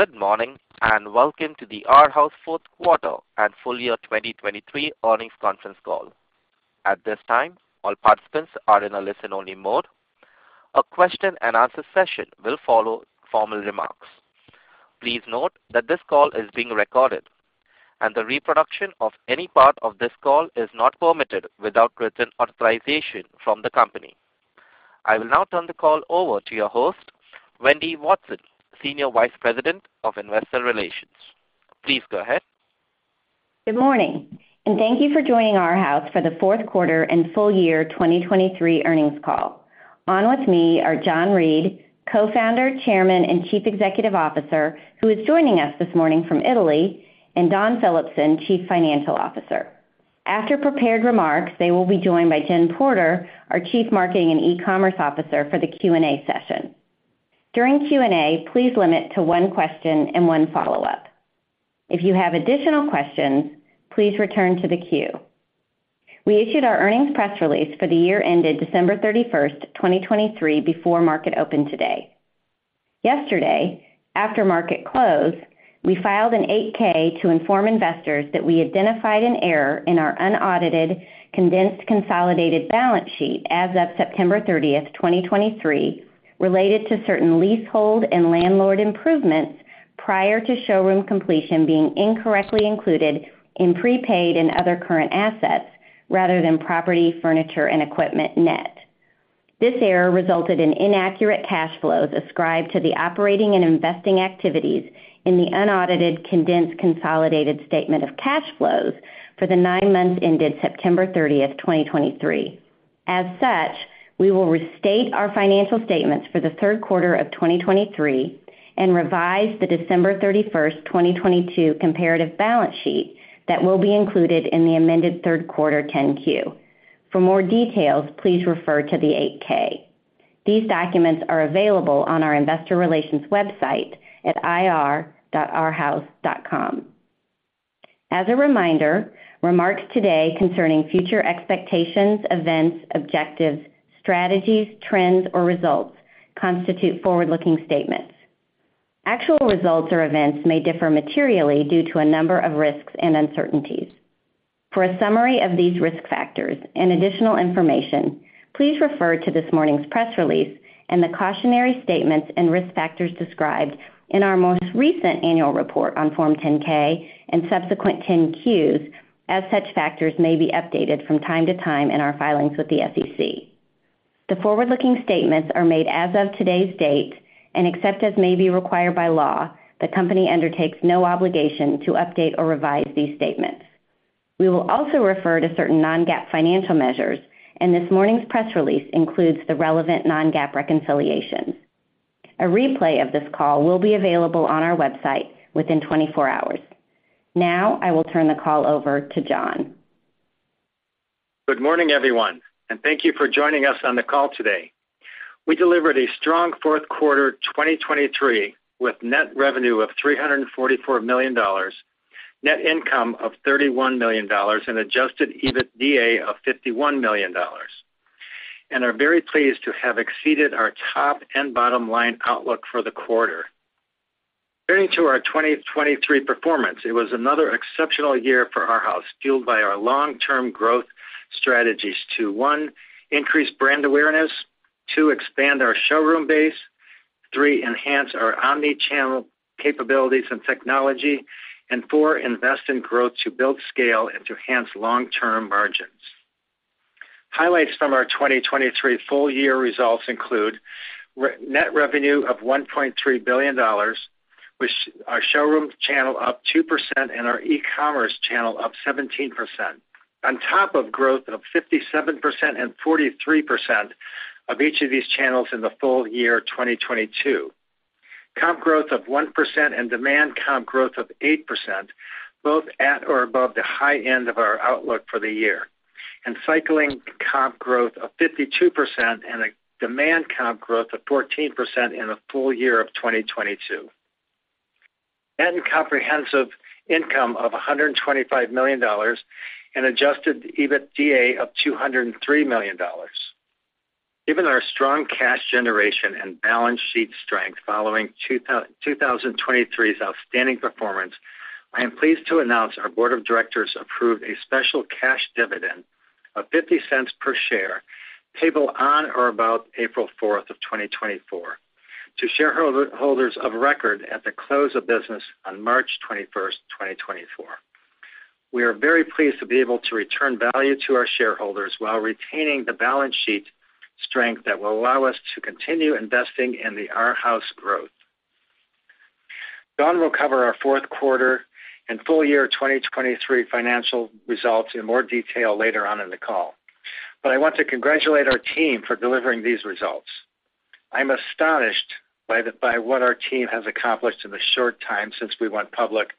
Good morning and welcome to the Arhaus fourth quarter and full year 2023 earnings conference call. At this time all participants are in a listen-only mode. A question and answer session will follow formal remarks. Please note that this call is being recorded and the reproduction of any part of this call is not permitted without written authorization from the company. I will now turn the call over to your host Wendy Watson, Senior Vice President of Investor Relations. Please go ahead. Good morning, and thank you for joining Arhaus for the fourth quarter and full year 2023 earnings call. On with me are John Reed, Co-Founder, Chairman, and Chief Executive Officer, who is joining us this morning from Italy, and Dawn Phillipson, Chief Financial Officer. After prepared remarks, they will be joined by Jen Porter, our Chief Marketing and E-commerce Officer, for the Q&A session. During Q&A, please limit to one question and one follow-up. If you have additional questions, please return to the queue. We issued our earnings press release for the year ended December 31st, 2023 before market open today. Yesterday after market closed we filed an 8-K to inform investors that we identified an error in our unaudited condensed consolidated balance sheet as of September 30th 2023 related to certain leasehold and landlord improvements prior to showroom completion being incorrectly included in prepaid and other current assets rather than property furniture and equipment net. This error resulted in inaccurate cash flows ascribed to the operating and investing activities in the unaudited condensed consolidated statement of cash flows for the nine months ended September 30th 2023. As such we will restate our financial statements for the third quarter of 2023 and revise the December 31st 2022 comparative balance sheet that will be included in the amended third quarter 10-Q. For more details please refer to the 8-K. These documents are available on our investor relations website at ir.arhaus.com. As a reminder, remarks today concerning future expectations, events, objectives, strategies, trends, or results constitute forward-looking statements. Actual results or events may differ materially due to a number of risks and uncertainties. For a summary of these risk factors and additional information, please refer to this morning's press release and the cautionary statements and risk factors described in our most recent annual report on Form 10-K and subsequent 10-Qs, as such factors may be updated from time to time in our filings with the SEC. The forward-looking statements are made as of today's date, and except as may be required by law, the company undertakes no obligation to update or revise these statements. We will also refer to certain non-GAAP financial measures, and this morning's press release includes the relevant non-GAAP reconciliations. A replay of this call will be available on our website within 24 hours. Now I will turn the call over to John. Good morning, everyone, and thank you for joining us on the call today. We delivered a strong fourth quarter 2023 with net revenue of $344 million, net income of $31 million, and Adjusted EBITDA of $51 million. We are very pleased to have exceeded our top and bottom line outlook for the quarter. Turning to our 2023 performance, it was another exceptional year for Arhaus fueled by our long-term growth strategies to one increase brand awareness, two expand our showroom base, three enhance our omnichannel capabilities and technology, and four invest in growth to build scale and to enhance long-term margins. Highlights from our 2023 full year results include net revenue of $1.3 billion with our showroom channel up 2% and our e-commerce channel up 17% on top of growth of 57% and 43% in each of these channels in the full year 2022. Comp growth of 1% and demand comp growth of 8%, both at or above the high end of our outlook for the year and cycling comp growth of 52% and a demand comp growth of 14% in the full year of 2022. Net and comprehensive income of $125 million and adjusted EBITDA of $203 million. Given our strong cash generation and balance sheet strength following 2023's outstanding performance, I am pleased to announce our board of directors approved a special cash dividend of $0.50 per share payable on or about April 4th, 2024, to shareholders of record at the close of business on March 21st, 2024. We are very pleased to be able to return value to our shareholders while retaining the balance sheet strength that will allow us to continue investing in the Arhaus growth. Dawn will cover our fourth quarter and full year 2023 financial results in more detail later on in the call but I want to congratulate our team for delivering these results. I am astonished by what our team has accomplished in the short time since we went public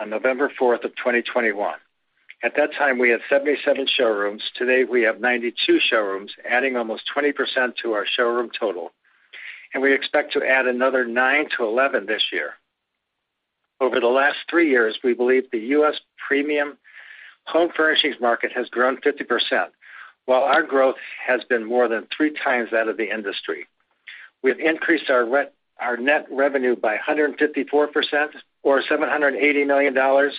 on November 4th of 2021. At that time we had 77 showrooms. Today we have 92 showrooms adding almost 20% to our showroom total and we expect to add another 9-11 this year. Over the last three years we believe the U.S. premium home furnishings market has grown 50% while our growth has been more than three times that of the industry. We have increased our net revenue by 154% or $780 million,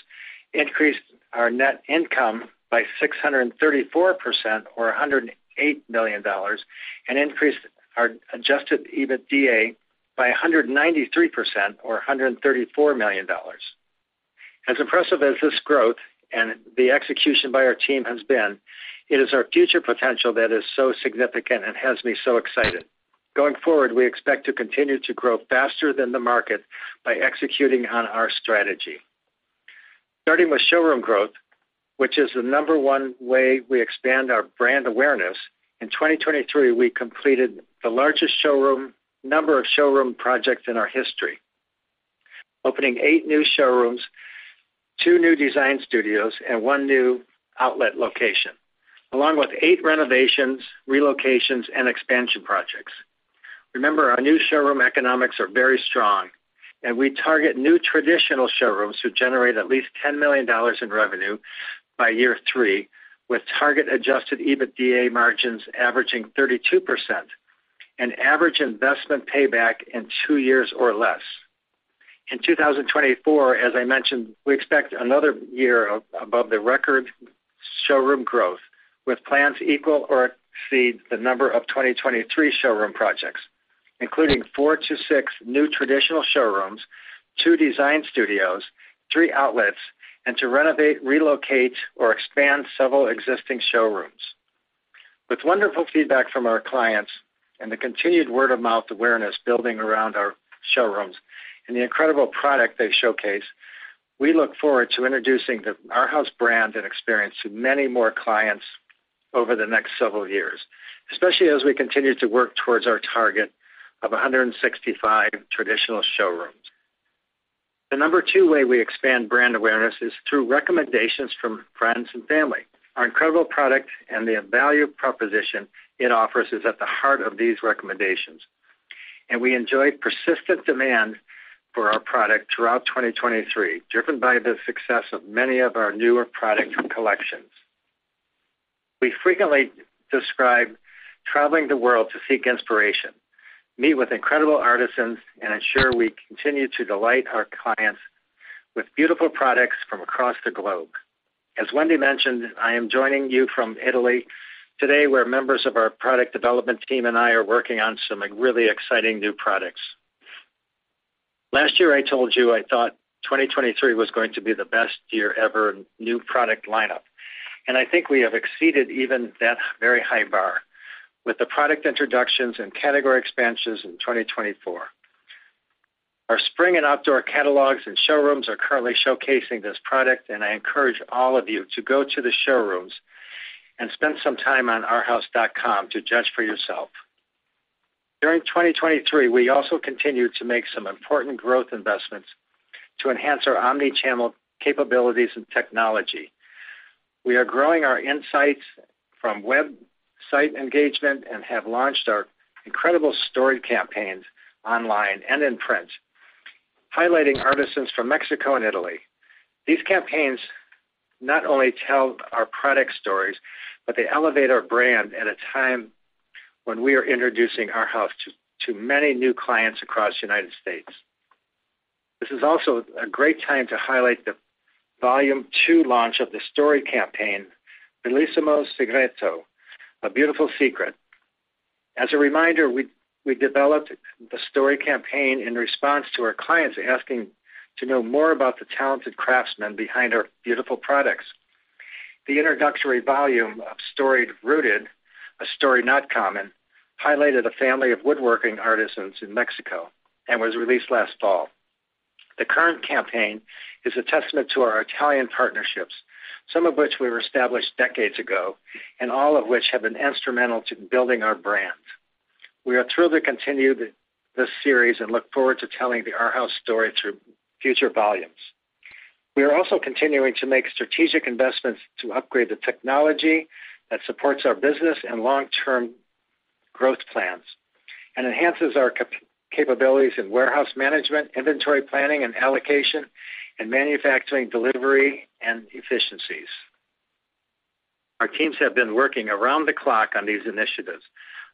increased our net income by 634% or $108 million, and increased our Adjusted EBITDA by 193% or $134 million. As impressive as this growth and the execution by our team has been, it is our future potential that is so significant and has me so excited. Going forward, we expect to continue to grow faster than the market by executing on our strategy. Starting with showroom growth, which is the number one way we expand our brand awareness, in 2023 we completed the largest number of showroom projects in our history opening eight new showrooms, two new design studios, and one new outlet location along with eight renovations, relocations, and expansion projects. Remember, our new showroom economics are very strong and we target new traditional showrooms to generate at least $10 million in revenue by year three with target Adjusted EBITDA margins averaging 32% and average investment payback in two years or less. In 2024, as I mentioned, we expect another year above the record showroom growth with plans equal or exceed the number of 2023 showroom projects including 4-6 new traditional showrooms, two design studios, three outlets, and to renovate, relocate, or expand several existing showrooms. With wonderful feedback from our clients and the continued word-of-mouth awareness building around our showrooms and the incredible product they showcase, we look forward to introducing the Arhaus brand and experience to many more clients over the next several years especially as we continue to work towards our target of 165 traditional showrooms. The number two way we expand brand awareness is through recommendations from friends and family. Our incredible product and the value proposition it offers is at the heart of these recommendations, and we enjoy persistent demand for our product throughout 2023 driven by the success of many of our newer product collections. We frequently describe traveling the world to seek inspiration, meet with incredible artisans, and ensure we continue to delight our clients with beautiful products from across the globe. As Wendy mentioned, I am joining you from Italy today where members of our product development team and I are working on some really exciting new products. Last year I told you I thought 2023 was going to be the best year ever in new product lineup, and I think we have exceeded even that very high bar with the product introductions and category expansions in 2024. Our spring and outdoor catalogs and showrooms are currently showcasing this product and I encourage all of you to go to the showrooms and spend some time on Arhaus.com to judge for yourself. During 2023 we also continue to make some important growth investments to enhance our omnichannel capabilities and technology. We are growing our insights from website engagement and have launched our incredible Storied campaigns online and in print highlighting artisans from Mexico and Italy. These campaigns not only tell our product stories but they elevate our brand at a time when we are introducing Arhaus to many new clients across the United States. This is also a great time to highlight the Volume 2 launch of the Storied campaign Bellissimo Segreto A Beautiful Secret. As a reminder, we developed the Storied campaign in response to our clients asking to know more about the talented craftsmen behind our beautiful products. The introductory volume of Storied Rooted: A Story Uncommon highlighted a family of woodworking artisans in Mexico and was released last fall. The current campaign is a testament to our Italian partnerships some of which we were established decades ago and all of which have been instrumental to building our brand. We are thrilled to continue this series and look forward to telling the Arhaus story through future volumes. We are also continuing to make strategic investments to upgrade the technology that supports our business and long-term growth plans and enhances our capabilities in warehouse management, inventory planning and allocation, and manufacturing delivery and efficiencies. Our teams have been working around the clock on these initiatives.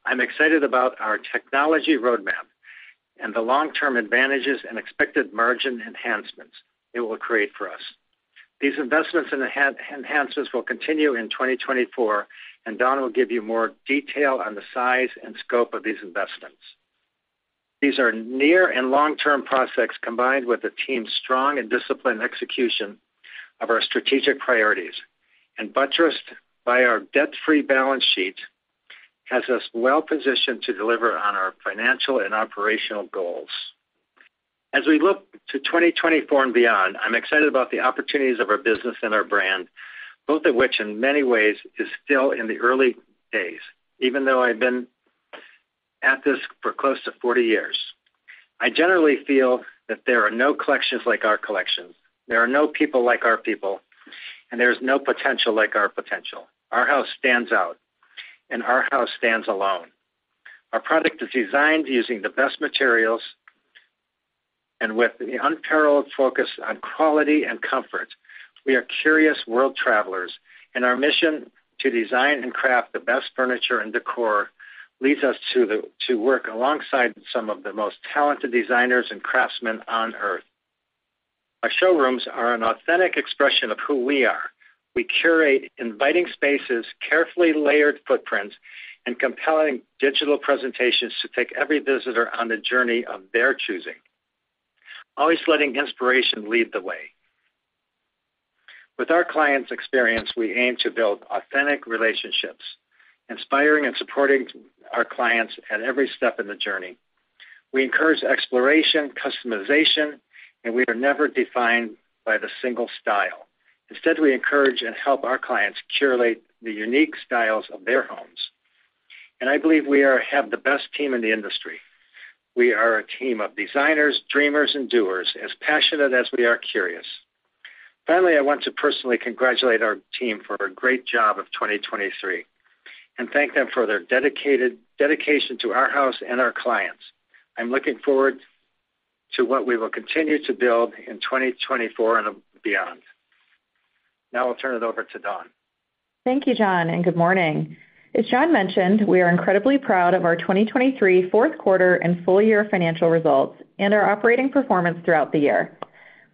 I'm excited about our technology roadmap and the long-term advantages and expected margin enhancements it will create for us. These investments and enhancements will continue in 2024 and Dawn will give you more detail on the size and scope of these investments. These are near and long-term prospects combined with the team's strong and disciplined execution of our strategic priorities and buttressed by our debt-free balance sheet has us well positioned to deliver on our financial and operational goals. As we look to 2024 and beyond I'm excited about the opportunities of our business and our brand both of which in many ways is still in the early days even though I've been at this for close to 40 years. I generally feel that there are no collections like our collections. There are no people like our people and there is no potential like our potential. Arhaus stands out and Arhaus stands alone. Our product is designed using the best materials and with the unparalleled focus on quality and comfort. We are curious world travelers and our mission to design and craft the best furniture and décor leads us to work alongside some of the most talented designers and craftsmen on earth. Our showrooms are an authentic expression of who we are. We curate inviting spaces, carefully layered footprints, and compelling digital presentations to take every visitor on the journey of their choosing, always letting inspiration lead the way. With our clients' experience, we aim to build authentic relationships inspiring and supporting our clients at every step in the journey. We encourage exploration, customization, and we are never defined by the single style. Instead we encourage and help our clients curate the unique styles of their homes and I believe we have the best team in the industry. We are a team of designers, dreamers, and doers as passionate as we are curious. Finally I want to personally congratulate our team for a great job of 2023 and thank them for their dedication to Arhaus and our clients. I'm looking forward to what we will continue to build in 2024 and beyond. Now I'll turn it over to Dawn. Thank you, John, and good morning. As John mentioned, we are incredibly proud of our 2023 fourth quarter and full year financial results and our operating performance throughout the year.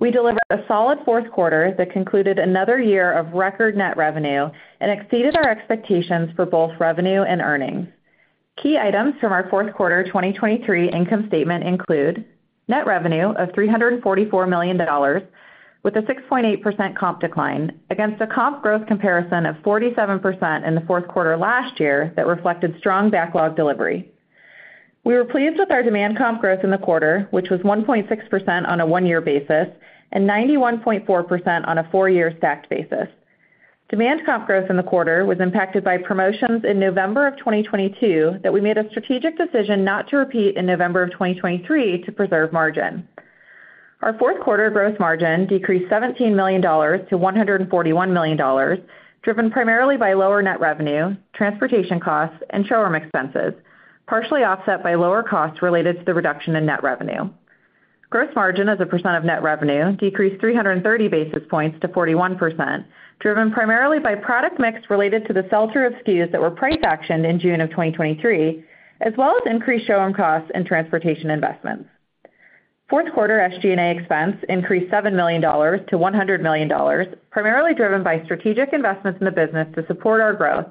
We delivered a solid fourth quarter that concluded another year of record net revenue and exceeded our expectations for both revenue and earnings. Key items from our fourth quarter 2023 income statement include net revenue of $344 million with a 6.8% comp decline against a comp growth comparison of 47% in the fourth quarter last year that reflected strong backlog delivery. We were pleased with our demand comp growth in the quarter, which was 1.6% on a one-year basis and 91.4% on a four-year stacked basis. Demand comp growth in the quarter was impacted by promotions in November of 2022 that we made a strategic decision not to repeat in November of 2023 to preserve margin. Our fourth quarter gross margin decreased $17 million to $141 million driven primarily by lower net revenue, transportation costs, and showroom expenses partially offset by lower costs related to the reduction in net revenue. Gross margin as a percent of net revenue decreased 330 basis points to 41% driven primarily by product mix related to the sell-off of SKUs that were price actioned in June of 2023 as well as increased showroom costs and transportation investments. Fourth quarter SG&A expense increased $7 million to $100 million primarily driven by strategic investments in the business to support our growth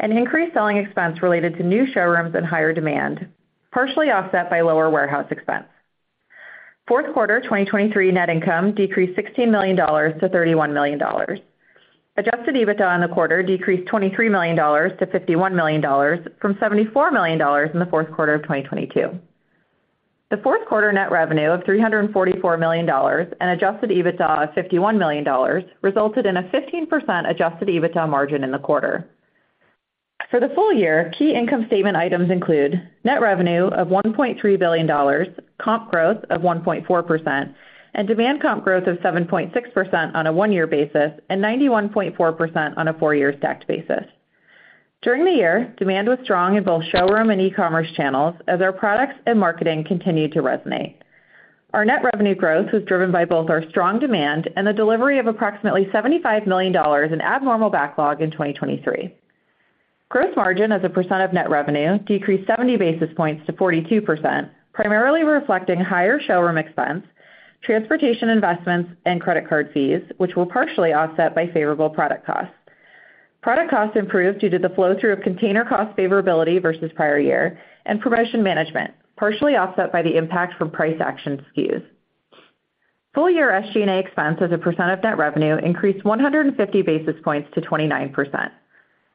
and increased selling expense related to new showrooms and higher demand partially offset by lower warehouse expense. Fourth quarter 2023 net income decreased $16 million to $31 million. Adjusted EBITDA on the quarter decreased $23 million to $51 million from $74 million in the fourth quarter of 2022. The fourth quarter net revenue of $344 million and Adjusted EBITDA of $51 million resulted in a 15% Adjusted EBITDA margin in the quarter. For the full year key income statement items include net revenue of $1.3 billion, comp growth of 1.4%, and demand comp growth of 7.6% on a one-year basis and 91.4% on a four-year stacked basis. During the year demand was strong in both showroom and e-commerce channels as our products and marketing continued to resonate. Our net revenue growth was driven by both our strong demand and the delivery of approximately $75 million in abnormal backlog in 2023. Gross margin as a percent of net revenue decreased 70 basis points to 42% primarily reflecting higher showroom expense, transportation investments, and credit card fees which were partially offset by favorable product costs. Product costs improved due to the flow-through of container cost favorability versus prior year and promotion management partially offset by the impact from price action SKUs. Full year SG&A expense as a percent of net revenue increased 150 basis points to 29%.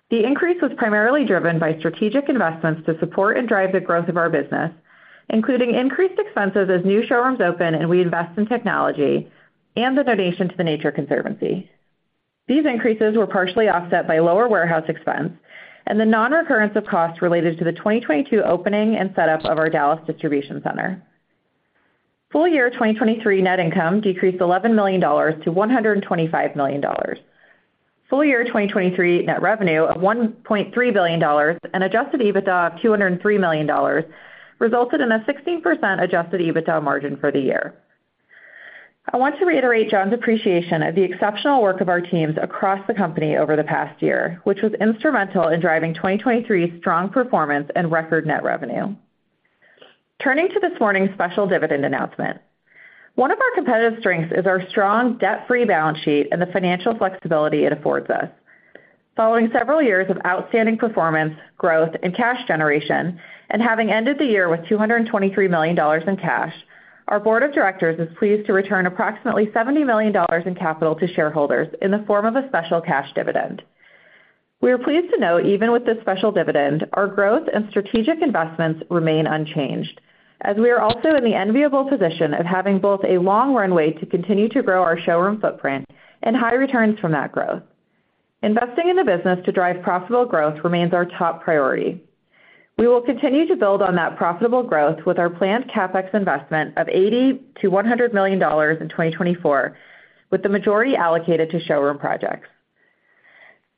The increase was primarily driven by strategic investments to support and drive the growth of our business including increased expenses as new showrooms open and we invest in technology and the donation to the Nature Conservancy. These increases were partially offset by lower warehouse expense and the non-recurrence of costs related to the 2022 opening and setup of our Dallas distribution center. Full year 2023 net income decreased $11 million to $125 million. Full year 2023 net revenue of $1.3 billion and adjusted EBITDA of $203 million resulted in a 16% adjusted EBITDA margin for the year. I want to reiterate John's appreciation of the exceptional work of our teams across the company over the past year, which was instrumental in driving 2023's strong performance and record net revenue. Turning to this morning's special dividend announcement, one of our competitive strengths is our strong debt-free balance sheet and the financial flexibility it affords us. Following several years of outstanding performance, growth, and cash generation and having ended the year with $223 million in cash, our board of directors is pleased to return approximately $70 million in capital to shareholders in the form of a special cash dividend. We are pleased to note even with this special dividend our growth and strategic investments remain unchanged as we are also in the enviable position of having both a long runway to continue to grow our showroom footprint and high returns from that growth. Investing in the business to drive profitable growth remains our top priority. We will continue to build on that profitable growth with our planned CapEx investment of $80 million-$100 million in 2024, with the majority allocated to showroom projects.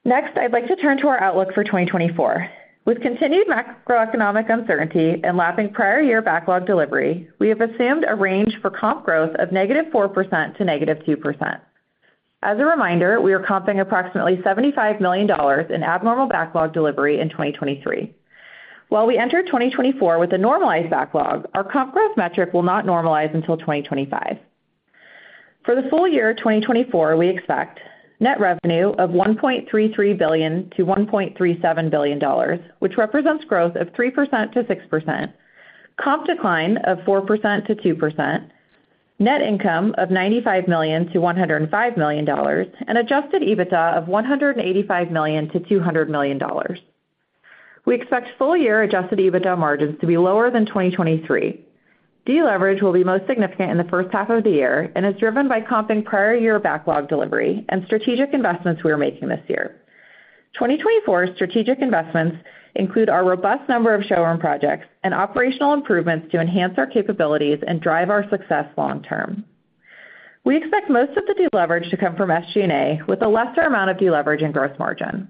Next I'd like to turn to our outlook for 2024. With continued macroeconomic uncertainty and lapping prior year backlog delivery, we have assumed a range for comp growth of -4% to -2%. As a reminder, we are comping approximately $75 million in abnormal backlog delivery in 2023. While we enter 2024 with a normalized backlog, our comp growth metric will not normalize until 2025. For the full year 2024, we expect net revenue of $1.33 billion-$1.37 billion, which represents growth of 3%-6%, comp decline of 4%-2%, net income of $95 million-$105 million, and adjusted EBITDA of $185 million-$200 million. We expect full-year adjusted EBITDA margins to be lower than 2023. De-leverage will be most significant in the first half of the year and is driven by comping prior-year backlog delivery and strategic investments we are making this year. 2024's strategic investments include our robust number of showroom projects and operational improvements to enhance our capabilities and drive our success long-term. We expect most of the de-leverage to come from SG&A with a lesser amount of de-leverage in gross margin.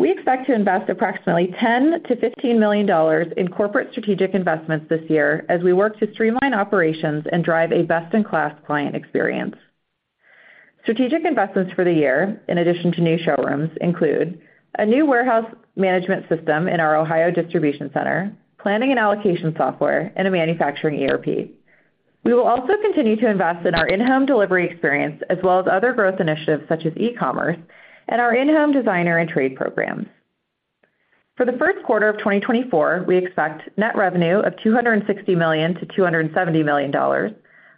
We expect to invest approximately $10 million-$15 million in corporate strategic investments this year as we work to streamline operations and drive a best-in-class client experience. Strategic investments for the year in addition to new showrooms include a new warehouse management system in our Ohio distribution center, planning and allocation software, and a manufacturing ERP. We will also continue to invest in our in-home delivery experience as well as other growth initiatives such as e-commerce and our in-home designer and trade programs. For the first quarter of 2024 we expect net revenue of $260 million-$270 million,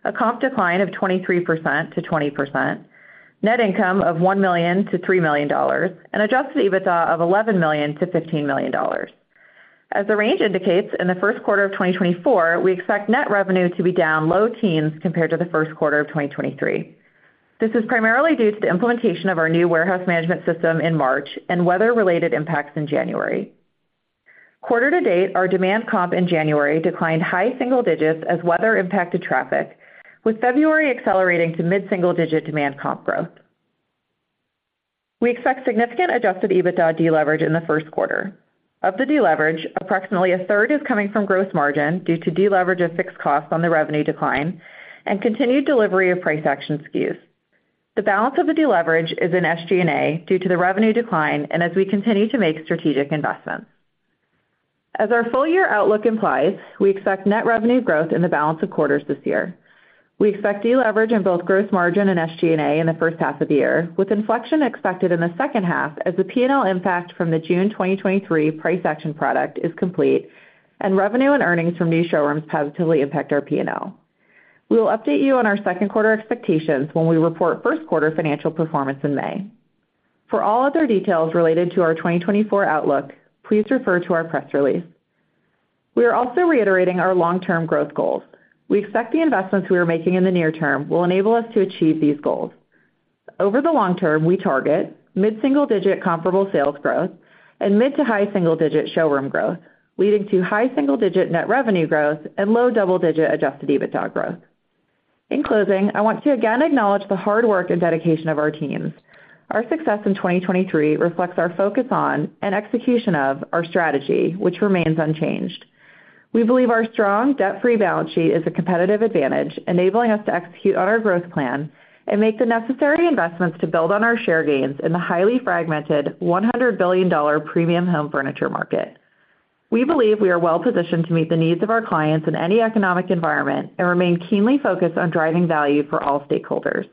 a comp decline of 23%-20%, net income of $1 million-$3 million, and adjusted EBITDA of $11 million-$15 million. As the range indicates in the first quarter of 2024 we expect net revenue to be down low teens compared to the first quarter of 2023. This is primarily due to the implementation of our new warehouse management system in March and weather-related impacts in January. Quarter to date our demand comp in January declined high single digits as weather impacted traffic with February accelerating to mid-single digit demand comp growth. We expect significant adjusted EBITDA deleverage in the first quarter. Of the deleverage, approximately a third is coming from gross margin due to deleverage of fixed costs on the revenue decline and continued delivery of price action SKUs. The balance of the deleverage is in SG&A due to the revenue decline and as we continue to make strategic investments. As our full year outlook implies, we expect net revenue growth in the balance of quarters this year. We expect deleverage in both gross margin and SG&A in the first half of the year with inflection expected in the second half as the P&L impact from the June 2023 price action product is complete and revenue and earnings from new showrooms positively impact our P&L. We will update you on our second quarter expectations when we report first quarter financial performance in May. For all other details related to our 2024 outlook, please refer to our press release. We are also reiterating our long-term growth goals. We expect the investments we are making in the near term will enable us to achieve these goals. Over the long term we target mid-single-digit comparable sales growth and mid- to high-single-digit showroom growth leading to high-single-digit net revenue growth and low-double-digit adjusted EBITDA growth. In closing I want to again acknowledge the hard work and dedication of our teams. Our success in 2023 reflects our focus on and execution of our strategy which remains unchanged. We believe our strong debt-free balance sheet is a competitive advantage enabling us to execute on our growth plan and make the necessary investments to build on our share gains in the highly fragmented $100 billion premium home furniture market. We believe we are well positioned to meet the needs of our clients in any economic environment and remain keenly focused on driving value for all stakeholders.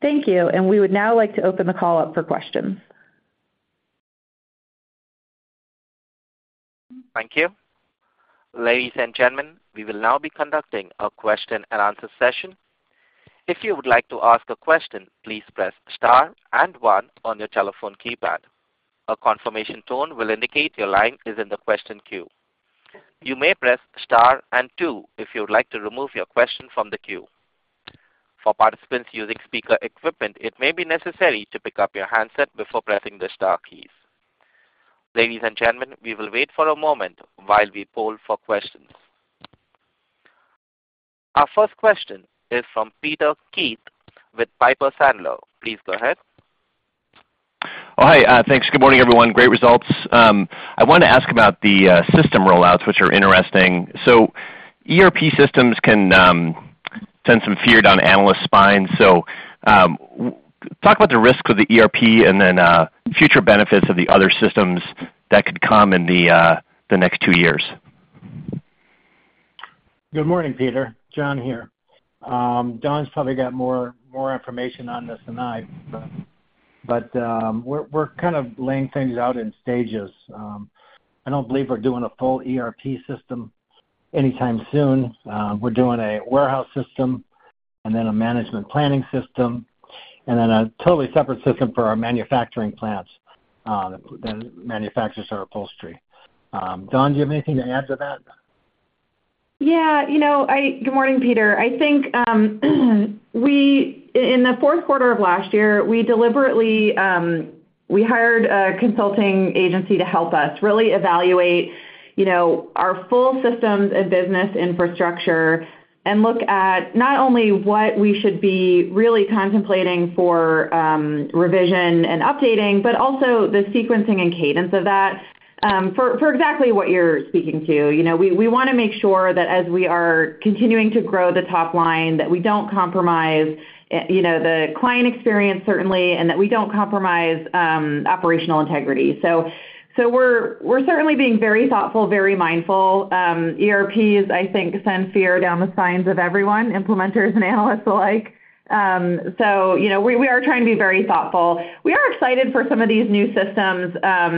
Thank you and we would now like to open the call up for questions. Thank you. Ladies and gentlemen, we will now be conducting a question and answer session. If you would like to ask a question, please press star and one on your telephone keypad. A confirmation tone will indicate your line is in the question queue. You may press star and two if you would like to remove your question from the queue. For participants using speaker equipment, it may be necessary to pick up your handset before pressing the star keys. Ladies and gentlemen, we will wait for a moment while we poll for questions. Our first question is from Peter Keith with Piper Sandler. Please go ahead. Oh, hi. Thanks. Good morning, everyone. Great results. I wanted to ask about the system rollouts, which are interesting. So, ERP systems can send some fear down analysts' spines, so talk about the risks of the ERP and then future benefits of the other systems that could come in the next two years. Good morning, Peter. John here. Dawn's probably got more information on this than I, but we're kind of laying things out in stages. I don't believe we're doing a full ERP system anytime soon. We're doing a warehouse system and then a management planning system and then a totally separate system for our manufacturing plants that manufactures our upholstery. Dawn, do you have anything to add to that? Yeah. Good morning, Peter. I think in the fourth quarter of last year we deliberately hired a consulting agency to help us really evaluate our full systems and business infrastructure and look at not only what we should be really contemplating for revision and updating but also the sequencing and cadence of that for exactly what you're speaking to. We want to make sure that as we are continuing to grow the top line that we don't compromise the client experience certainly and that we don't compromise operational integrity. So we're certainly being very thoughtful, very mindful. ERPs I think send fear down the spines of everyone, implementers and analysts alike. So we are trying to be very thoughtful. We are excited for some of these new systems. As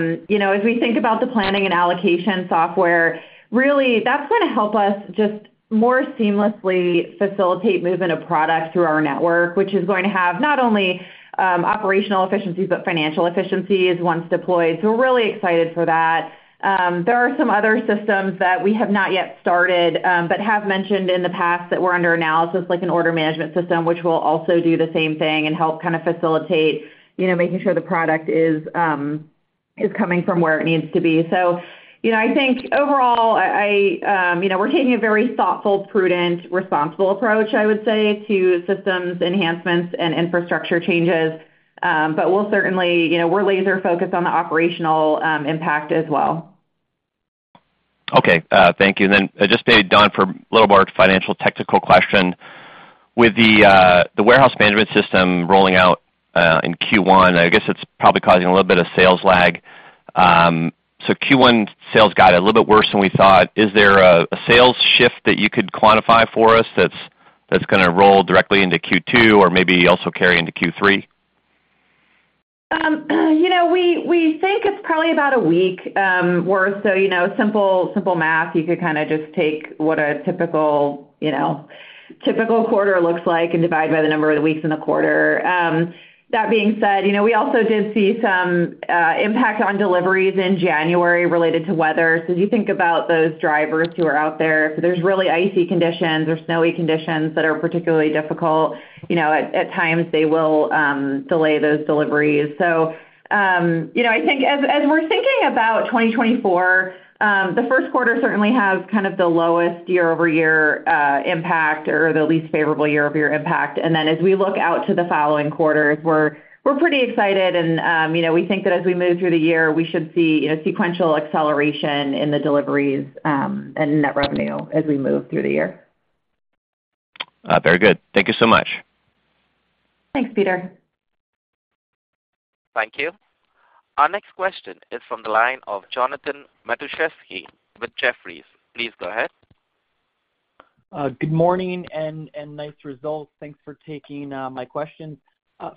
we think about the planning and allocation software, really that's going to help us just more seamlessly facilitate movement of product through our network, which is going to have not only operational efficiencies but financial efficiencies once deployed. So we're really excited for that. There are some other systems that we have not yet started but have mentioned in the past that we're under analysis, like an order management system, which will also do the same thing and help kind of facilitate making sure the product is coming from where it needs to be. So I think overall we're taking a very thoughtful, prudent, responsible approach, I would say, to systems enhancements and infrastructure changes, but we're laser focused on the operational impact as well. Okay. Thank you. And then just maybe Dawn for a little more financial technical question. With the warehouse management system rolling out in Q1, I guess it's probably causing a little bit of sales lag. So Q1 sales got a little bit worse than we thought. Is there a sales shift that you could quantify for us that's going to roll directly into Q2 or maybe also carry into Q3? We think it's probably about a week's worth. So simple math you could kind of just take what a typical quarter looks like and divide by the number of the weeks in the quarter. That being said, we also did see some impact on deliveries in January related to weather. So as you think about those drivers who are out there, if there's really icy conditions or snowy conditions that are particularly difficult at times, they will delay those deliveries. So I think as we're thinking about 2024, the first quarter certainly has kind of the lowest year-over-year impact or the least favorable year-over-year impact. And then as we look out to the following quarters, we're pretty excited and we think that as we move through the year we should see sequential acceleration in the deliveries and net revenue as we move through the year. Very good. Thank you so much. Thanks Peter. Thank you. Our next question is from the line of Jonathan Matuszewski with Jefferies. Please go ahead. Good morning and nice results. Thanks for taking my questions.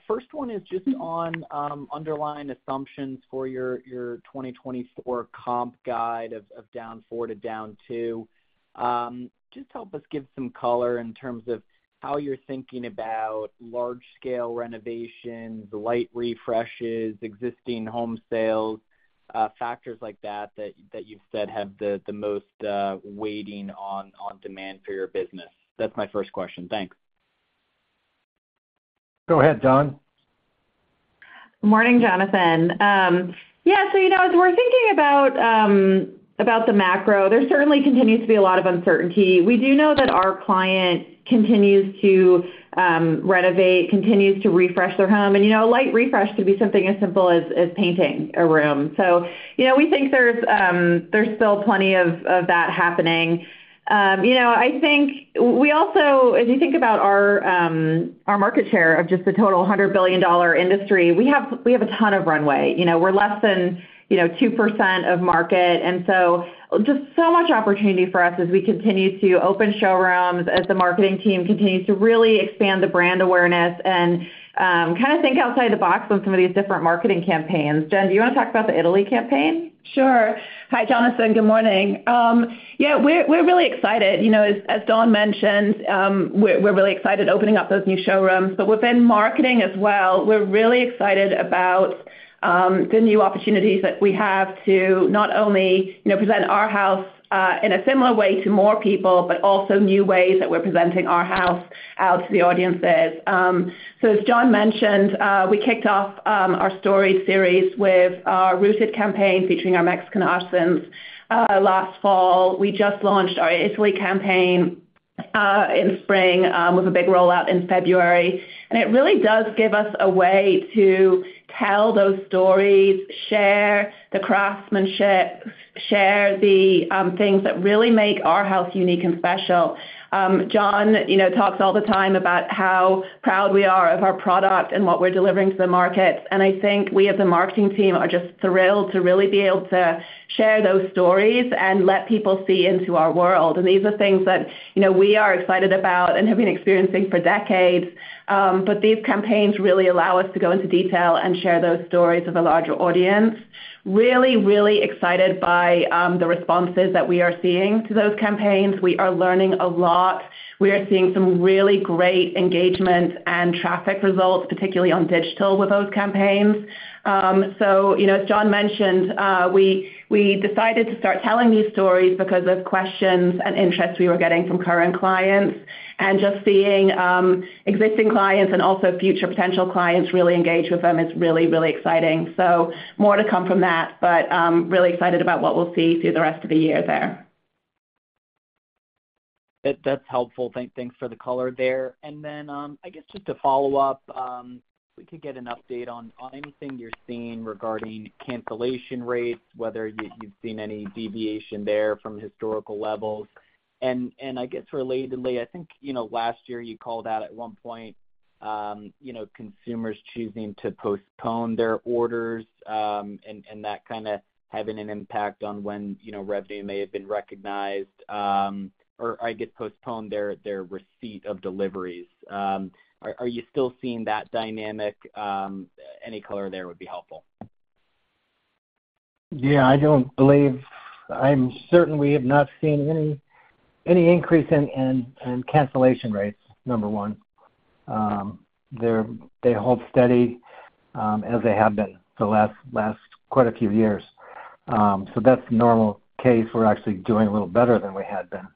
First one is just on underlying assumptions for your 2024 comp guide of -4% to -2%. Just help us give some color in terms of how you're thinking about large-scale renovations, light refreshes, existing home sales, factors like that that you've said have the most weighting on demand for your business. That's my first question. Thanks. Go ahead, Dawn. Morning Jonathan. Yeah. So as we're thinking about the macro, there certainly continues to be a lot of uncertainty. We do know that our client continues to renovate, continues to refresh their home. And a light refresh could be something as simple as painting a room. So we think there's still plenty of that happening. I think we also, as you think about our market share of just the total $100 billion industry, we have a ton of runway. We're less than 2% of market and so just so much opportunity for us as we continue to open showrooms, as the marketing team continues to really expand the brand awareness, and kind of think outside the box on some of these different marketing campaigns. Jen, do you want to talk about the Italy campaign? Sure. Hi, Jonathan. Good morning. Yeah. We're really excited. As Dawn mentioned, we're really excited opening up those new showrooms, but within marketing as well, we're really excited about the new opportunities that we have to not only present our Arhaus in a similar way to more people but also new ways that we're presenting Arhaus out to the audiences. So as John mentioned, we kicked off our Storied series with our Rooted campaign featuring our Mexican artisans last fall. We just launched our Italian campaign in spring with a big rollout in February. And it really does give us a way to tell those stories, share the craftsmanship, share the things that really make Arhaus unique and special. John talks all the time about how proud we are of our product and what we're delivering to the markets. I think we as a marketing team are just thrilled to really be able to share those stories and let people see into our world. These are things that we are excited about and have been experiencing for decades. But these campaigns really allow us to go into detail and share those stories with a larger audience. Really, really excited by the responses that we are seeing to those campaigns. We are learning a lot. We are seeing some really great engagement and traffic results particularly on digital with those campaigns. As John mentioned, we decided to start telling these stories because of questions and interest we were getting from current clients. Just seeing existing clients and also future potential clients really engage with them is really, really exciting. More to come from that, but really excited about what we'll see through the rest of the year there. That's helpful. Thanks for the color there. Then I guess just to follow up, we could get an update on anything you're seeing regarding cancellation rates, whether you've seen any deviation there from historical levels. I guess relatedly, I think last year you called out at one point consumers choosing to postpone their orders and that kind of having an impact on when revenue may have been recognized or I guess postponed their receipt of deliveries. Are you still seeing that dynamic? Any color there would be helpful. Yeah. I don't believe. I'm certain we have not seen any increase in cancellation rates, number one. They hold steady as they have been for the last quite a few years. So that's the normal case. We're actually doing a little better than we had been.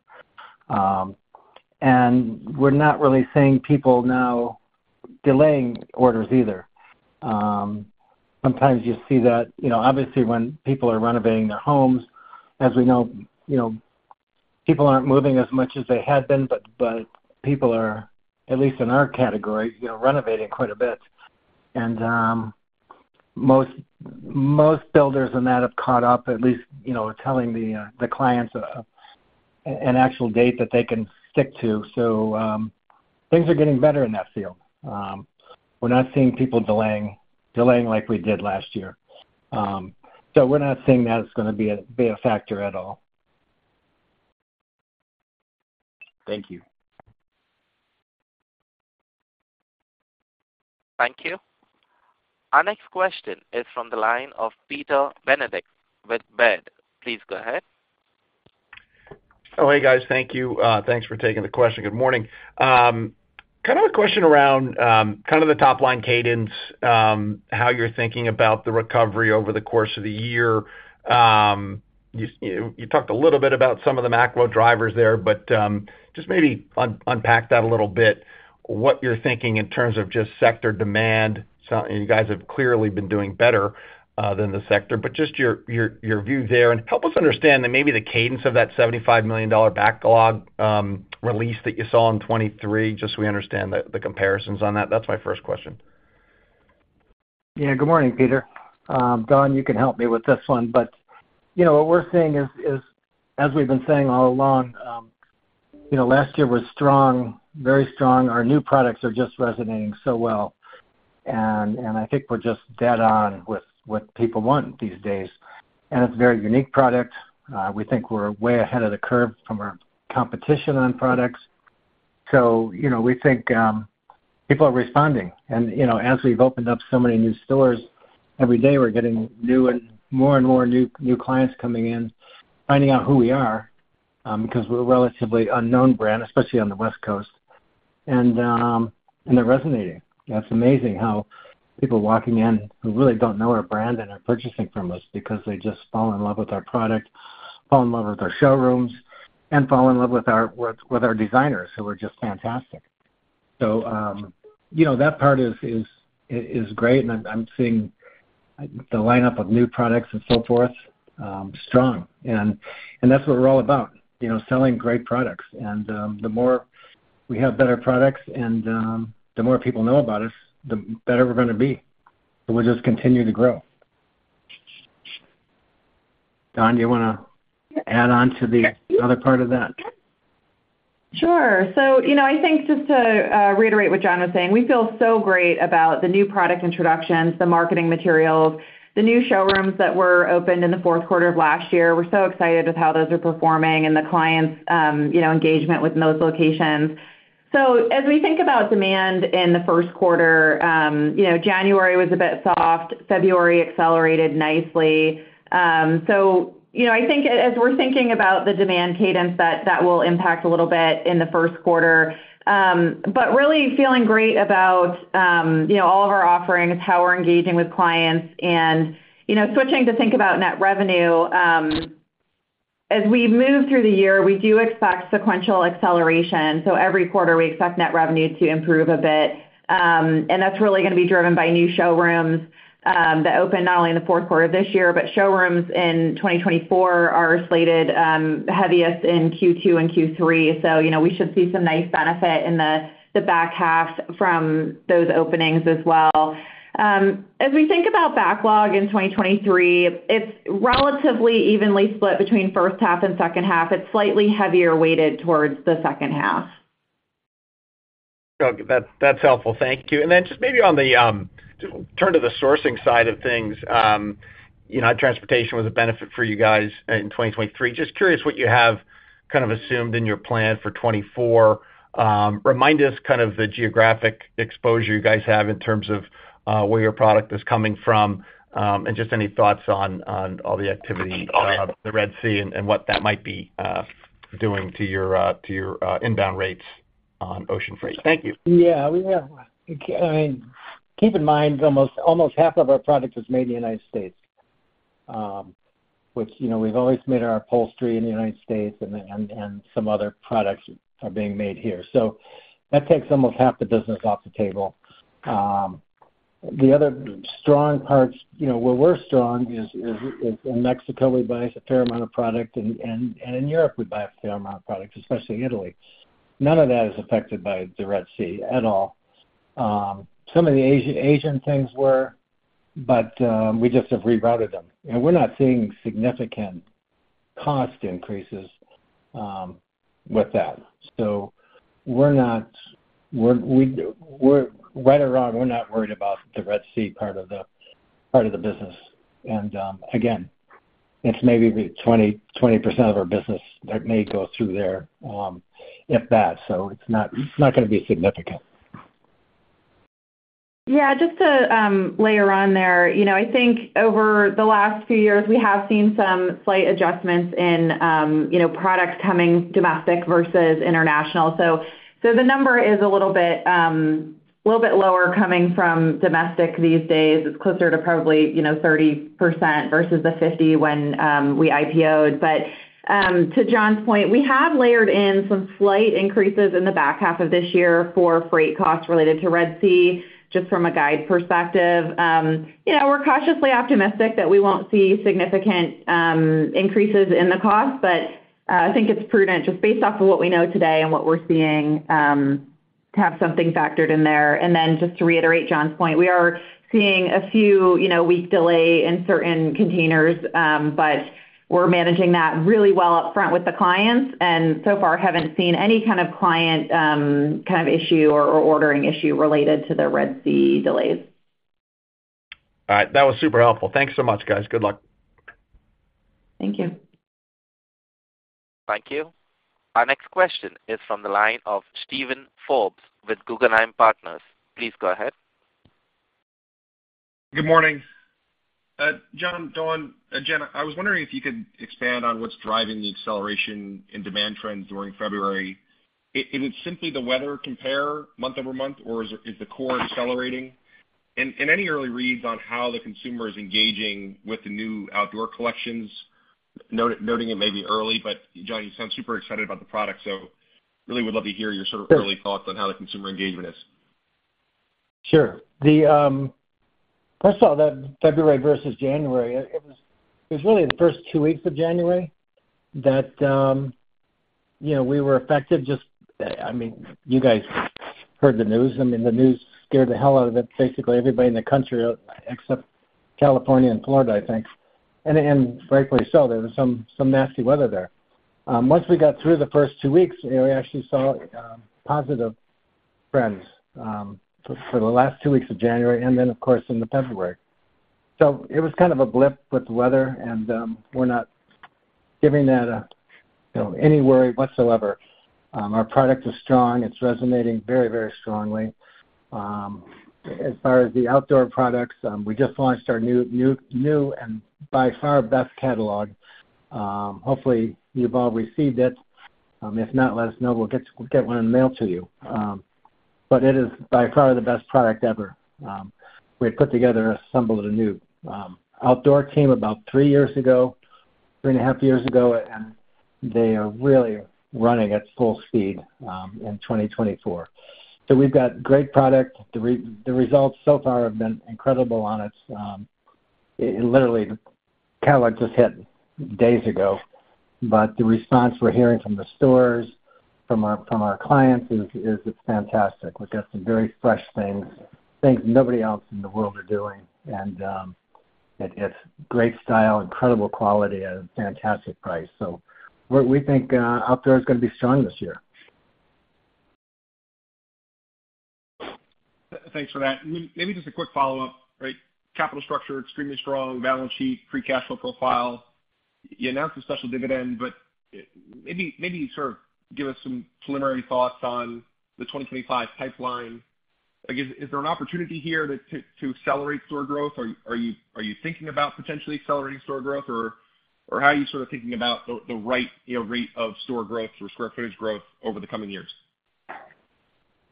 We're not really seeing people now delaying orders either. Sometimes you see that obviously when people are renovating their homes as we know people aren't moving as much as they had been but people are at least in our category renovating quite a bit. Most builders in that have caught up at least telling the clients an actual date that they can stick to. So things are getting better in that field. We're not seeing people delaying like we did last year. We're not seeing that as going to be a factor at all. Thank you. Thank you. Our next question is from the line of Peter Benedict with Baird. Please go ahead. Oh hey guys. Thank you. Thanks for taking the question. Good morning. Kind of a question around kind of the top line cadence, how you're thinking about the recovery over the course of the year. You talked a little bit about some of the macro drivers there but just maybe unpack that a little bit. What you're thinking in terms of just sector demand. You guys have clearly been doing better than the sector but just your view there. And help us understand then maybe the cadence of that $75 million backlog release that you saw in 2023 just so we understand the comparisons on that. That's my first question. Yeah. Good morning, Peter. Dawn, you can help me with this one, but what we're seeing is, as we've been saying all along, last year was strong, very strong. Our new products are just resonating so well. I think we're just dead on with what people want these days. It's a very unique product. We think we're way ahead of the curve from our competition on products. We think people are responding. As we've opened up so many new stores, every day we're getting new and more and more new clients coming in, finding out who we are because we're a relatively unknown brand, especially on the West Coast. They're resonating. It's amazing how people walking in who really don't know our brand and are purchasing from us because they just fall in love with our product, fall in love with our showrooms, and fall in love with our designers who are just fantastic. So that part is great. And I'm seeing the lineup of new products and so forth strong. And that's what we're all about selling great products. And the more we have better products and the more people know about us the better we're going to be. So we'll just continue to grow. Dawn, do you want to add on to the other part of that? Sure. So I think just to reiterate what John was saying, we feel so great about the new product introductions, the marketing materials, the new showrooms that were opened in the fourth quarter of last year. We're so excited with how those are performing and the clients' engagement within those locations. So as we think about demand in the first quarter, January was a bit soft. February accelerated nicely. So I think as we're thinking about the demand cadence that will impact a little bit in the first quarter but really feeling great about all of our offerings, how we're engaging with clients, and switching to think about net revenue. As we move through the year, we do expect sequential acceleration. So every quarter we expect net revenue to improve a bit. That's really going to be driven by new showrooms that open not only in the fourth quarter of this year but showrooms in 2024 are slated heaviest in Q2 and Q3. We should see some nice benefit in the back half from those openings as well. As we think about backlog in 2023 it's relatively evenly split between first half and second half. It's slightly heavier weighted towards the second half. Okay. That's helpful. Thank you. And then just maybe on the just turn to the sourcing side of things. Transportation was a benefit for you guys in 2023. Just curious what you have kind of assumed in your plan for 2024. Remind us kind of the geographic exposure you guys have in terms of where your product is coming from and just any thoughts on all the activity of the Red Sea and what that might be doing to your inbound rates on ocean freight. Thank you. Yeah. I mean keep in mind almost half of our product is made in the United States, which we've always made our upholstery in the United States and some other products are being made here. So that takes almost half the business off the table. The other strong parts where we're strong is in Mexico we buy a fair amount of product and in Europe we buy a fair amount of products especially Italy. None of that is affected by the Red Sea at all. Some of the Asian things were but we just have rerouted them. And we're not seeing significant cost increases with that. So we're not right or wrong we're not worried about the Red Sea part of the business. And again it's maybe 20% of our business that may go through there if that. So it's not going to be significant. Yeah. Just to layer on there, I think over the last few years we have seen some slight adjustments in products coming domestic versus international. So the number is a little bit lower coming from domestic these days. It's closer to probably 30% versus the 50 when we IPOed. But to John's point, we have layered in some slight increases in the back half of this year for freight costs related to Red Sea just from a guide perspective. We're cautiously optimistic that we won't see significant increases in the cost, but I think it's prudent just based off of what we know today and what we're seeing to have something factored in there. And then, just to reiterate John's point, we are seeing a few-week delay in certain containers, but we're managing that really well up front with the clients, and so far haven't seen any kind of client kind of issue or ordering issue related to the Red Sea delays. All right. That was super helpful. Thanks so much guys. Good luck. Thank you. Thank you. Our next question is from the line of Steven Forbes with Guggenheim Partners. Please go ahead. Good morning. John, Dawn, Jen, I was wondering if you could expand on what's driving the acceleration in demand trends during February. Is it simply the weather comp month-over-month or is the core accelerating? Any early reads on how the consumer is engaging with the new outdoor collections? Noting it may be early, but John you sound super excited about the product so really would love to hear your sort of early thoughts on how the consumer engagement is. Sure. First of all, February versus January. It was really the first two weeks of January that we were affected, just—I mean, you guys heard the news. I mean, the news scared the hell out of it basically everybody in the country except California and Florida, I think. And frankly, so there was some nasty weather there. Once we got through the first two weeks, we actually saw positive trends for the last two weeks of January and then, of course, in the February. So it was kind of a blip with the weather, and we're not giving that any worry whatsoever. Our product is strong. It's resonating very, very strongly. As far as the outdoor products, we just launched our new and by far best catalog. Hopefully you've all received it. If not, let us know. We'll get one in the mail to you. But it is by far the best product ever. We had put together a symbol of the new outdoor team about three years ago, 3.5 years ago and they are really running at full speed in 2024. So we've got great product. The results so far have been incredible on it. Literally the catalog just hit days ago. But the response we're hearing from the stores, from our clients is fantastic. We've got some very fresh things nobody else in the world are doing. And it's great style, incredible quality, and fantastic price. So we think outdoor is going to be strong this year. Thanks for that. Maybe just a quick follow-up. Capital structure extremely strong, balance sheet, free cash flow profile. You announced a special dividend, but maybe sort of give us some preliminary thoughts on the 2025 pipeline. Is there an opportunity here to accelerate store growth? Are you thinking about potentially accelerating store growth or how are you sort of thinking about the right rate of store growth or square footage growth over the coming years?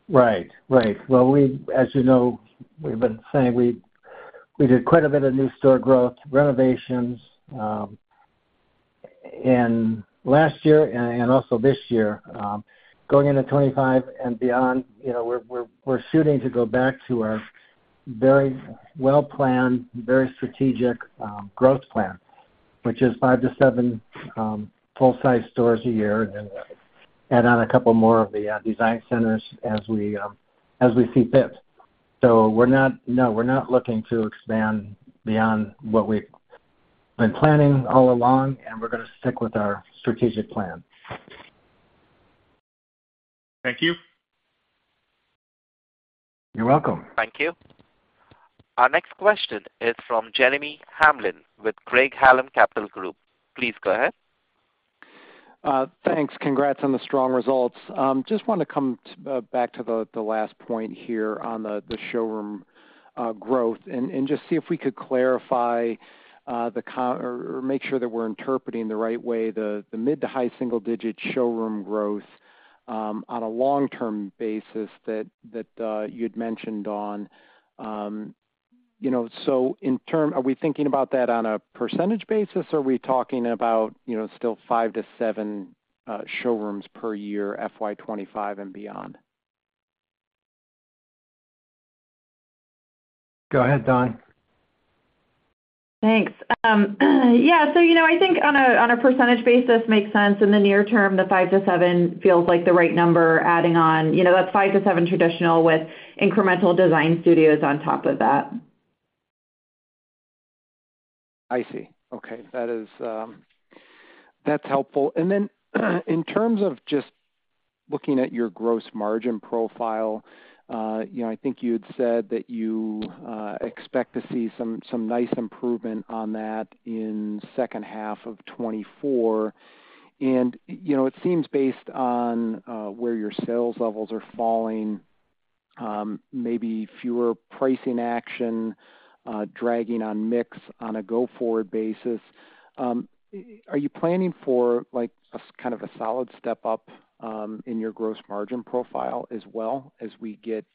Right. Right. Well, as you know, we've been saying we did quite a bit of new store growth, renovations last year and also this year. Going into 2025 and beyond, we're shooting to go back to our very well planned, very strategic growth plan which is five to seven full-size stores a year and then add on a couple more of the design centers as we see fit. So we're not looking to expand beyond what we've been planning all along and we're going to stick with our strategic plan. Thank you. You're welcome. Thank you. Our next question is from Jeremy Hamblin with Craig-Hallum Capital Group. Please go ahead. Thanks. Congrats on the strong results. Just want to come back to the last point here on the showroom growth and just see if we could clarify or make sure that we're interpreting the right way the mid- to high-single-digit showroom growth on a long-term basis that you'd mentioned, Dawn. So in terms, are we thinking about that on a percentage basis or are we talking about still 5-7 showrooms per year FY 2025 and beyond? Go ahead, Dawn. Thanks. Yeah. So I think on a percentage basis makes sense. In the near term, the 5-7 feels like the right number, adding on that's 5-7 traditional with incremental design studios on top of that. I see. Okay. That's helpful. And then in terms of just looking at your gross margin profile I think you'd said that you expect to see some nice improvement on that in second half of 2024. And it seems based on where your sales levels are falling maybe fewer pricing action, dragging on mix on a go-forward basis. Are you planning for kind of a solid step up in your gross margin profile as well as we get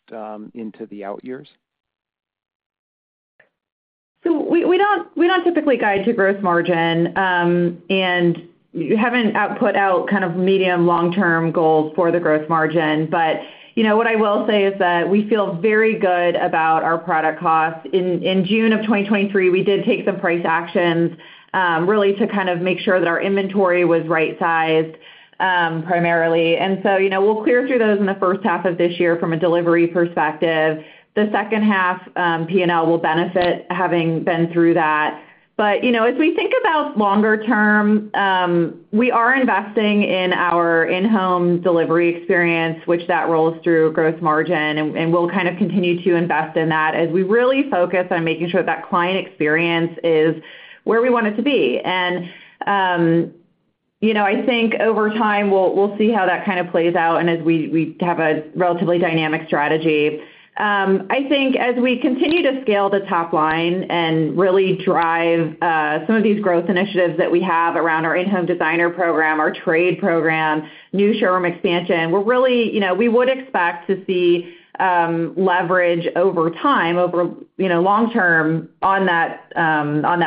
into the out years? So we don't typically guide to gross margin and we haven't put out kind of medium long-term goals for the gross margin. But what I will say is that we feel very good about our product costs. In June of 2023 we did take some price actions really to kind of make sure that our inventory was right sized primarily. And so we'll clear through those in the first half of this year from a delivery perspective. The second half P&L will benefit having been through that. But as we think about longer term we are investing in our in-home delivery experience which that rolls through gross margin and we'll kind of continue to invest in that as we really focus on making sure that client experience is where we want it to be. I think over time we'll see how that kind of plays out and as we have a relatively dynamic strategy. I think as we continue to scale the top line and really drive some of these growth initiatives that we have around our in-home designer program, our trade program, new showroom expansion we're really we would expect to see leverage over time, over long term on that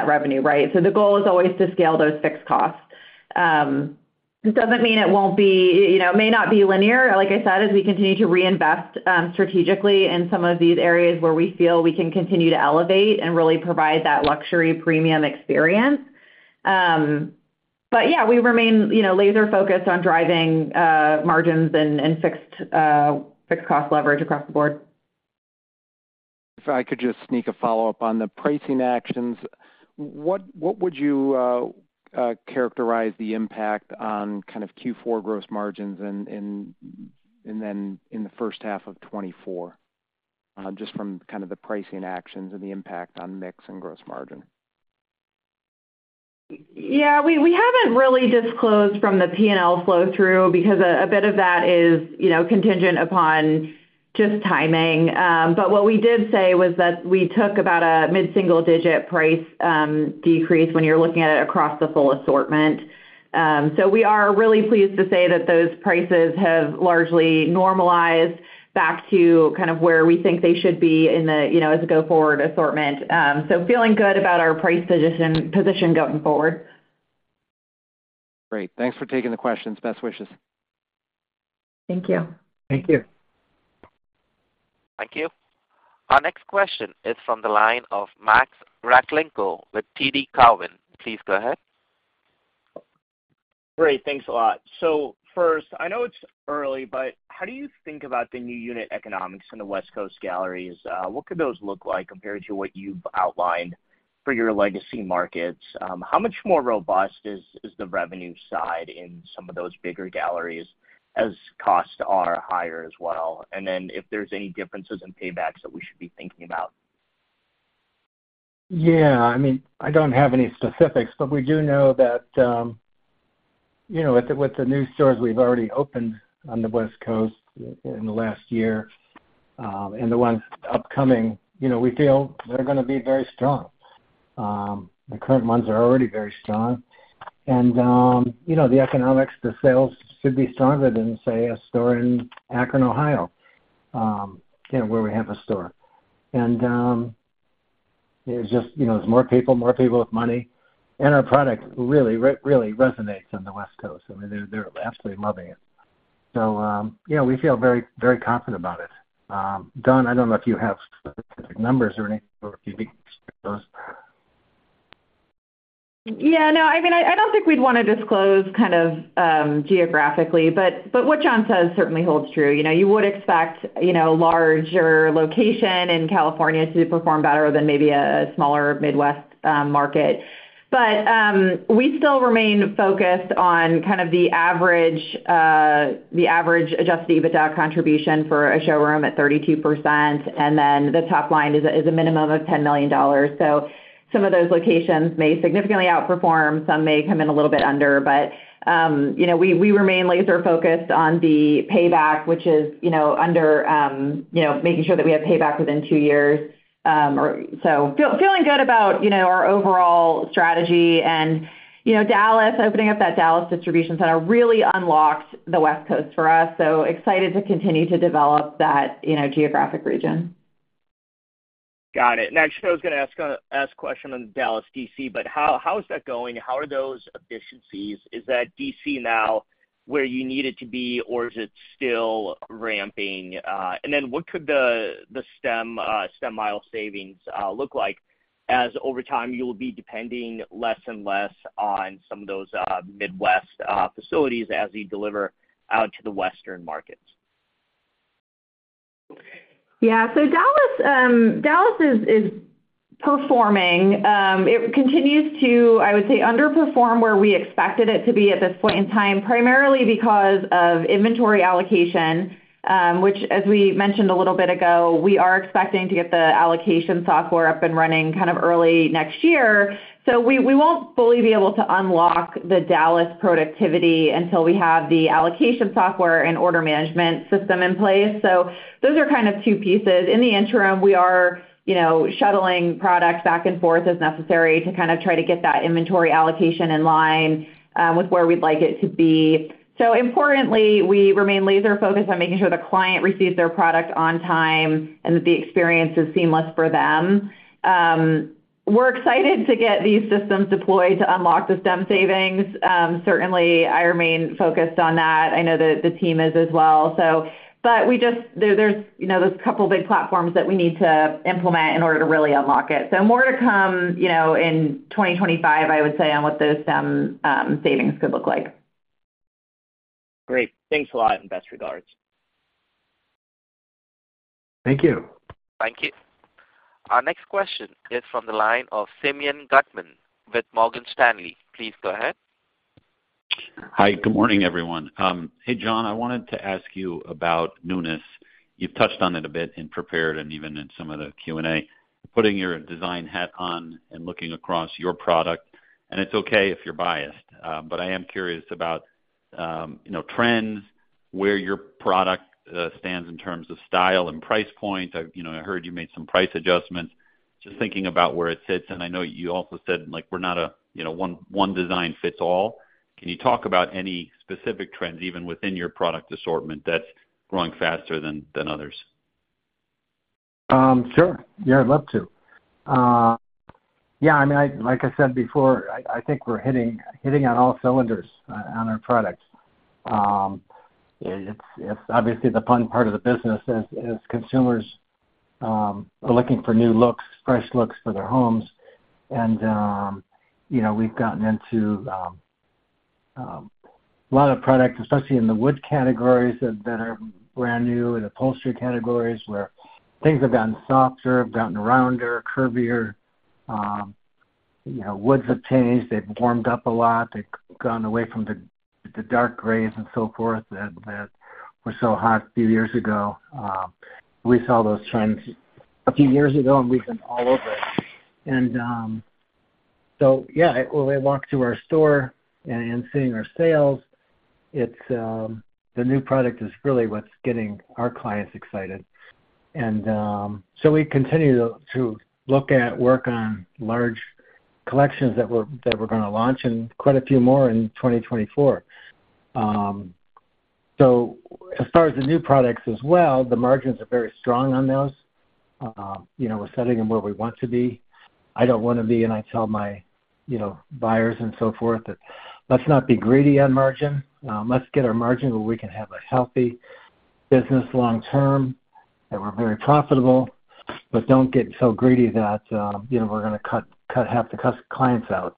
revenue. So the goal is always to scale those fixed costs. It doesn't mean it won't be it may not be linear. Like I said as we continue to reinvest strategically in some of these areas where we feel we can continue to elevate and really provide that luxury premium experience. But yeah we remain laser focused on driving margins and fixed cost leverage across the board. If I could just sneak a follow up on the pricing actions. What would you characterize the impact on kind of Q4 gross margins and then in the first half of 2024 just from kind of the pricing actions and the impact on mix and gross margin? Yeah. We haven't really disclosed from the P&L flow through because a bit of that is contingent upon just timing. But what we did say was that we took about a mid single digit price decrease when you're looking at it across the full assortment. So we are really pleased to say that those prices have largely normalized back to kind of where we think they should be in the as a go-forward assortment. So feeling good about our price position going forward. Great. Thanks for taking the questions. Best wishes. Thank you. Thank you. Thank you. Our next question is from the line of Max Rakhlenko with TD Cowen. Please go ahead. Great. Thanks a lot. So first I know it's early but how do you think about the new unit economics in the West Coast galleries? What could those look like compared to what you've outlined for your legacy markets? How much more robust is the revenue side in some of those bigger galleries as costs are higher as well? And then if there's any differences in paybacks that we should be thinking about? Yeah. I mean, I don't have any specifics, but we do know that with the new stores we've already opened on the West Coast in the last year and the ones upcoming, we feel they're going to be very strong. The current ones are already very strong. And the economics, the sales should be stronger than, say, a store in Akron, Ohio, where we have a store. And it's just there's more people, more people with money, and our product really, really resonates on the West Coast. I mean, they're absolutely loving it. So we feel very, very confident about it. Dawn, I don't know if you have specific numbers or anything or if you'd be able to share those. Yeah. No. I mean I don't think we'd want to disclose kind of geographically but what John says certainly holds true. You would expect a larger location in California to perform better than maybe a smaller Midwest market. But we still remain focused on kind of the average adjusted EBITDA contribution for a showroom at 32% and then the top line is a minimum of $10 million. So some of those locations may significantly outperform. Some may come in a little bit under but we remain laser focused on the payback which is under making sure that we have payback within two years. So feeling good about our overall strategy and Dallas opening up that Dallas distribution center really unlocked the West Coast for us. So excited to continue to develop that geographic region. Got it. Next I was going to ask a question on Dallas DC but how is that going? How are those efficiencies? Is that DC now where you need it to be or is it still ramping? And then what could the stem mile savings look like as over time you will be depending less and less on some of those Midwest facilities as you deliver out to the western markets? Yeah. So Dallas is performing. It continues to, I would say, underperform where we expected it to be at this point in time, primarily because of inventory allocation, which, as we mentioned a little bit ago, we are expecting to get the allocation software up and running kind of early next year. So we won't fully be able to unlock the Dallas productivity until we have the allocation software and order management system in place. So those are kind of two pieces. In the interim, we are shuttling product back and forth as necessary to kind of try to get that inventory allocation in line with where we'd like it to be. So importantly, we remain laser focused on making sure the client receives their product on time and that the experience is seamless for them. We're excited to get these systems deployed to unlock the stem savings. Certainly I remain focused on that. I know that the team is as well. But there's those couple big platforms that we need to implement in order to really unlock it. So more to come in 2025 I would say on what those stem savings could look like. Great. Thanks a lot and best regards. Thank you. Thank you. Our next question is from the line of Simeon Gutman with Morgan Stanley. Please go ahead. Hi. Good morning, everyone. Hey, John, I wanted to ask you about newness. You've touched on it a bit in prepared and even in some of the Q&A. Putting your design hat on and looking across your product, and it's okay if you're biased, but I am curious about trends, where your product stands in terms of style and price point. I heard you made some price adjustments. Just thinking about where it sits, and I know you also said we're not a one design fits all. Can you talk about any specific trends even within your product assortment that's growing faster than others? Sure. Yeah. I'd love to. Yeah. I mean, like I said before, I think we're hitting on all cylinders on our products. It's obviously the fun part of the business as consumers are looking for new looks, fresh looks for their homes. And we've gotten into a lot of products, especially in the wood categories that are brand new and upholstery categories where things have gotten softer, gotten rounder, curvier. Woods have changed. They've warmed up a lot. They've gone away from the dark grays and so forth that were so hot a few years ago. We saw those trends a few years ago and we've been all over it. And so yeah, when we walk through our store and seeing our sales, the new product is really what's getting our clients excited. And so we continue to look at, work on large collections that we're going to launch and quite a few more in 2024. So as far as the new products as well, the margins are very strong on those. We're setting them where we want to be. I don't want to be and I tell my buyers and so forth that let's not be greedy on margin. Let's get our margin where we can have a healthy business long term that we're very profitable but don't get so greedy that we're going to cut half the custom clients out.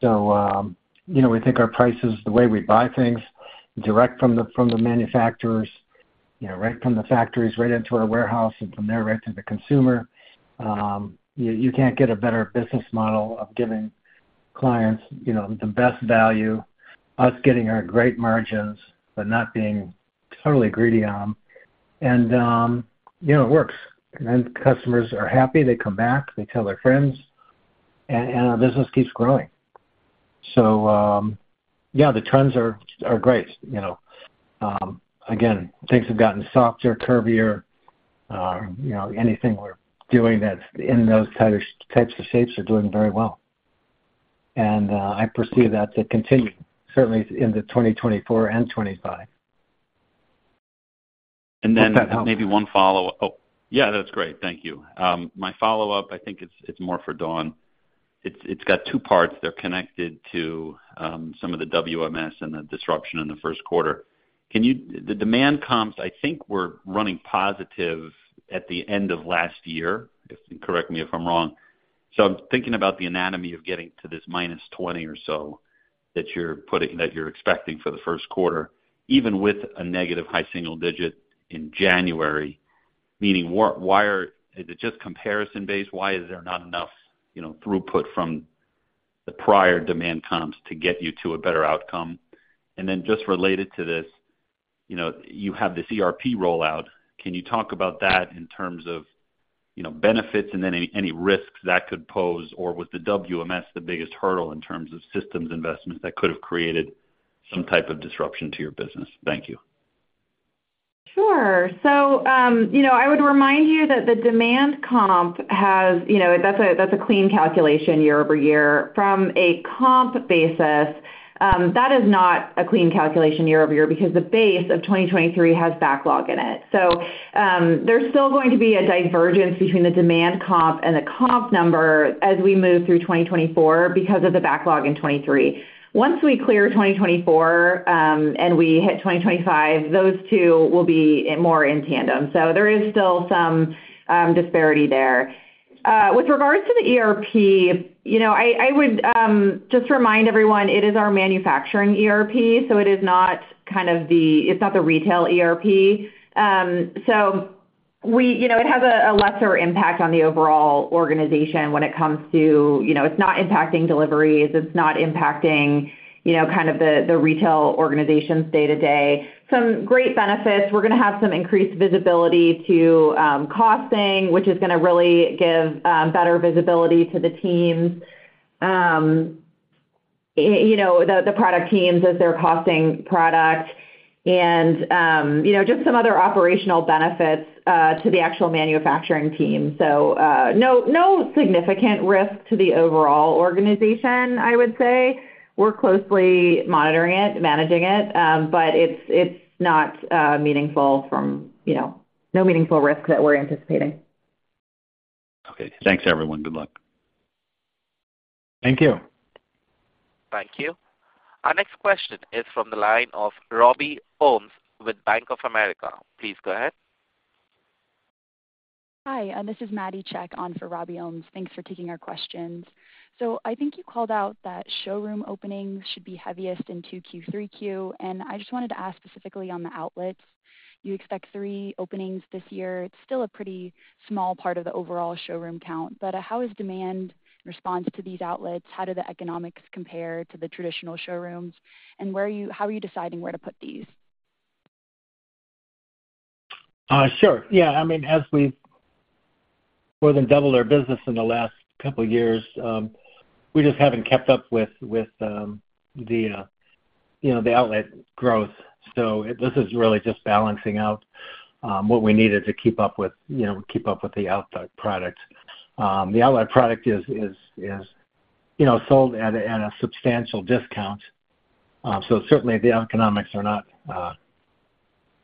So we think our prices, the way we buy things direct from the manufacturers, right from the factories, right into our warehouse and from there right to the consumer. You can't get a better business model of giving clients the best value, us getting our great margins but not being totally greedy on them. It works. Then customers are happy. They come back. They tell their friends and our business keeps growing. Yeah, the trends are great. Again, things have gotten softer, curvier. Anything we're doing that's in those types of shapes are doing very well. I perceive that to continue certainly in 2024 and 2025. And then maybe one follow-up. Yeah. That's great. Thank you. My follow-up I think it's more for Dawn. It's got two parts. They're connected to some of the WMS and the disruption in the first quarter. The demand comps I think were running positive at the end of last year. Correct me if I'm wrong. So I'm thinking about the anatomy of getting to this -20 or so that you're expecting for the first quarter even with a negative high single digit in January. Meaning why is it just comparison based? Why is there not enough throughput from the prior demand comps to get you to a better outcome? And then just related to this you have this ERP rollout. Can you talk about that in terms of benefits and then any risks that could pose or was the WMS the biggest hurdle in terms of systems investments that could have created some type of disruption to your business? Thank you. Sure. So I would remind you that the demand comp has. That's a clean calculation year over year. From a comp basis, that is not a clean calculation year over year because the base of 2023 has backlog in it. So there's still going to be a divergence between the demand comp and the comp number as we move through 2024 because of the backlog in 2023. Once we clear 2024 and we hit 2025, those two will be more in tandem. So there is still some disparity there. With regards to the ERP, I would just remind everyone it is our manufacturing ERP so it is not kind of the. It's not the retail ERP. So it has a lesser impact on the overall organization when it comes to. It's not impacting deliveries. It's not impacting kind of the retail organization's day to day. Some great benefits. We're going to have some increased visibility to costing which is going to really give better visibility to the teams, the product teams as they're costing product and just some other operational benefits to the actual manufacturing team. So no significant risk to the overall organization I would say. We're closely monitoring it, managing it but it's not meaningful from no meaningful risk that we're anticipating. Okay. Thanks everyone. Good luck. Thank you. Thank you. Our next question is from the line of Robbie Ohmes with Bank of America. Please go ahead. Hi. This is Maddie Cech on for Robbie Ohmes. Thanks for taking our questions. So I think you called out that showroom openings should be heaviest in Q2 and Q3 and I just wanted to ask specifically on the outlets. You expect 3 openings this year. It's still a pretty small part of the overall showroom count but how is demand response to these outlets? How do the economics compare to the traditional showrooms and how are you deciding where to put these? Sure. Yeah. I mean, as we've more than doubled our business in the last couple of years, we just haven't kept up with the outlet growth. So this is really just balancing out what we needed to keep up with, keep up with the outlet product. The outlet product is sold at a substantial discount, so certainly the economics are not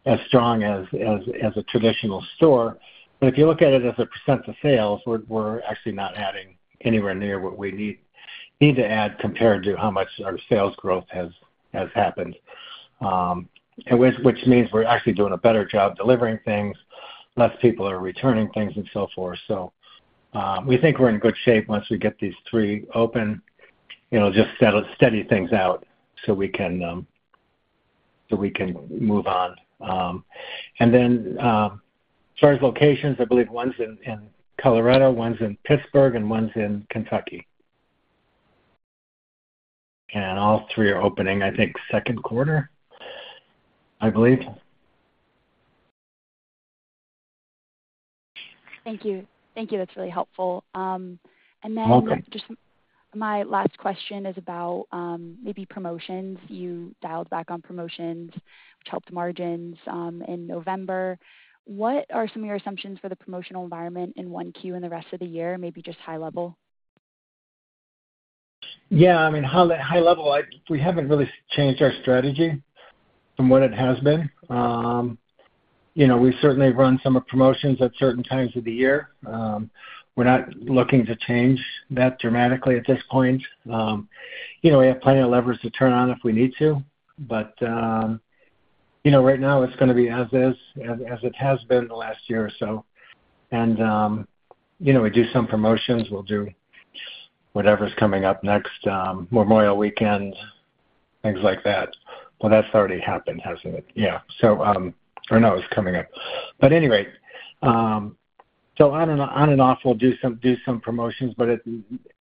as strong as a traditional store. But if you look at it as a % of sales, we're actually not adding anywhere near what we need to add compared to how much our sales growth has happened, which means we're actually doing a better job delivering things, less people are returning things, and so forth. So we think we're in good shape once we get these three open. Just steady things out so we can move on. Then as far as locations, I believe one's in Colorado, one's in Pittsburgh, and one's in Kentucky. All three are opening, I think, second quarter, I believe. Thank you. Thank you. That's really helpful. And then just my last question is about maybe promotions. You dialed back on promotions which helped margins in November. What are some of your assumptions for the promotional environment in 1Q and the rest of the year? Maybe just high level. Yeah. I mean, high level, we haven't really changed our strategy from what it has been. We certainly run some promotions at certain times of the year. We're not looking to change that dramatically at this point. We have plenty of levers to turn on if we need to, but right now it's going to be as is as it has been the last year or so. And we do some promotions. We'll do whatever's coming up next. Memorial weekend, things like that. Well, that's already happened, hasn't it? Yeah. So or no, it's coming up. But anyway, so on and off we'll do some promotions, but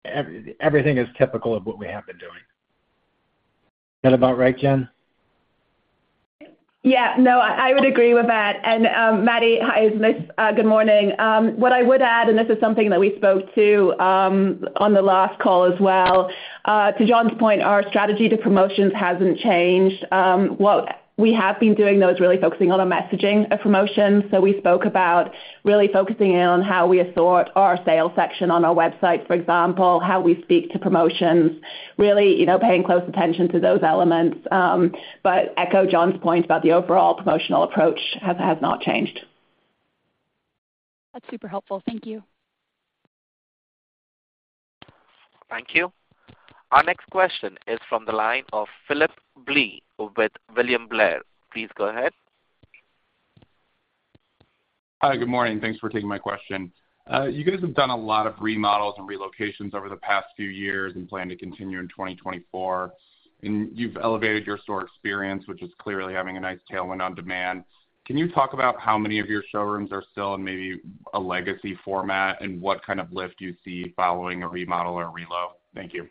everything is typical of what we have been doing. Is that about right, Jen? Yeah. No. I would agree with that. And, Maddie, hi. Is this good morning. What I would add, and this is something that we spoke to on the last call as well. To John's point, our strategy to promotions hasn't changed. What we have been doing though is really focusing on a messaging of promotions. So we spoke about really focusing in on how we assort our sales section on our website, for example, how we speak to promotions, really paying close attention to those elements. But echo John's point about the overall promotional approach has not changed. That's super helpful. Thank you. Thank you. Our next question is from the line of Phillip Blee with William Blair. Please go ahead. Hi, good morning. Thanks for taking my question. You guys have done a lot of remodels and relocations over the past few years and plan to continue in 2024 and you've elevated your store experience which is clearly having a nice tailwind on demand. Can you talk about how many of your showrooms are still in maybe a legacy format and what kind of lift you see following a remodel or a relo? Thank you.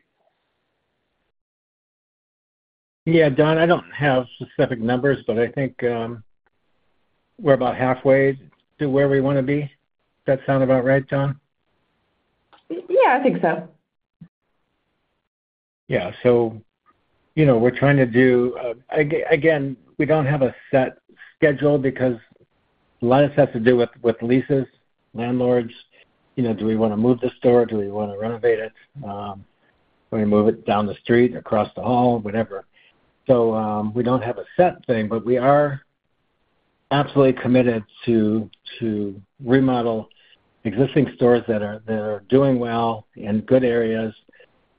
Yeah, Dawn, I don't have specific numbers, but I think we're about halfway to where we want to be. Does that sound about right, John? Yeah. I think so. Yeah. So we're trying to do again. We don't have a set schedule because a lot of this has to do with leases, landlords. Do we want to move the store? Do we want to renovate it? Do we move it down the street, across the hall, whatever? So we don't have a set thing, but we are absolutely committed to remodel existing stores that are doing well in good areas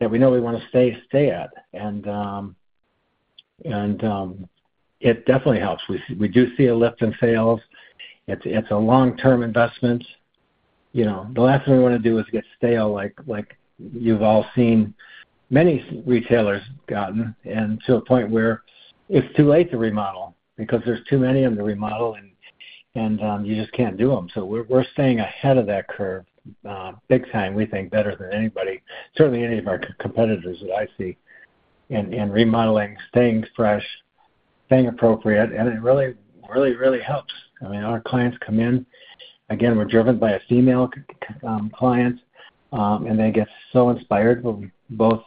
that we know we want to stay at. And it definitely helps. We do see a lift in sales. It's a long term investment. The last thing we want to do is get stale like you've all seen many retailers gotten and to a point where it's too late to remodel because there's too many in the remodel and you just can't do them. So we're staying ahead of that curve big time, we think, better than anybody. Certainly, any of our competitors that I see in remodeling, staying fresh, staying appropriate, and it really, really, really helps. I mean, our clients come in. Again, we're driven by a female client, and they get so inspired, both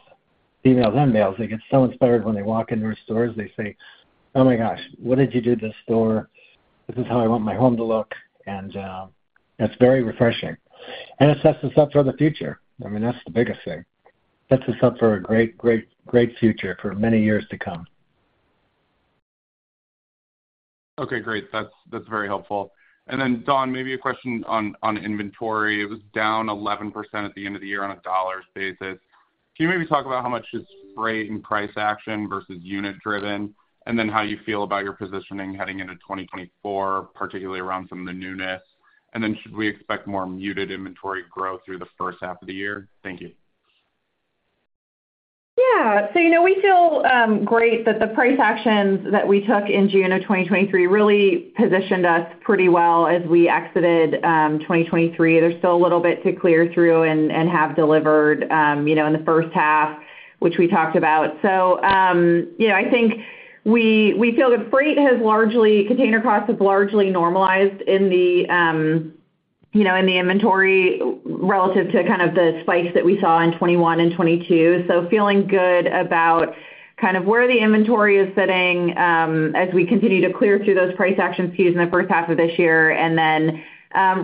females and males. They get so inspired when they walk into our stores. They say, "Oh my gosh, what did you do to this store? This is how I want my home to look." And it's very refreshing. And it sets us up for the future. I mean, that's the biggest thing. Sets us up for a great, great, great future for many years to come. Okay. Great. That's very helpful. And then Dawn maybe a question on inventory. It was down 11% at the end of the year on a dollars basis. Can you maybe talk about how much is rate and price action versus unit driven and then how you feel about your positioning heading into 2024 particularly around some of the newness and then should we expect more muted inventory growth through the first half of the year? Thank you. Yeah. So we feel great that the price actions that we took in June of 2023 really positioned us pretty well as we exited 2023. There's still a little bit to clear through and have delivered in the first half which we talked about. So I think we feel that freight has largely container costs have largely normalized in the inventory relative to kind of the spike that we saw in 2021 and 2022. So feeling good about kind of where the inventory is sitting as we continue to clear through those price action SKUs in the first half of this year and then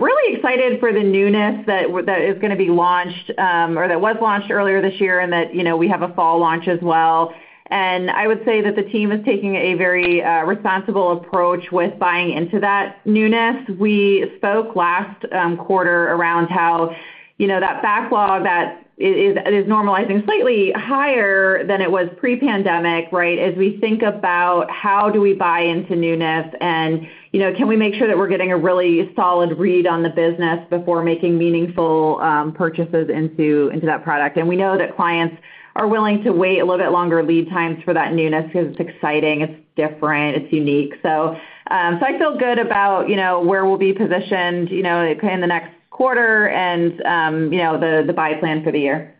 really excited for the newness that is going to be launched or that was launched earlier this year and that we have a fall launch as well. And I would say that the team is taking a very responsible approach with buying into that newness. We spoke last quarter around how that backlog that is normalizing slightly higher than it was pre-pandemic right as we think about how do we buy into newness and can we make sure that we're getting a really solid read on the business before making meaningful purchases into that product. And we know that clients are willing to wait a little bit longer lead times for that newness because it's exciting. It's different. It's unique. So I feel good about where we'll be positioned in the next quarter and the buy plan for the year.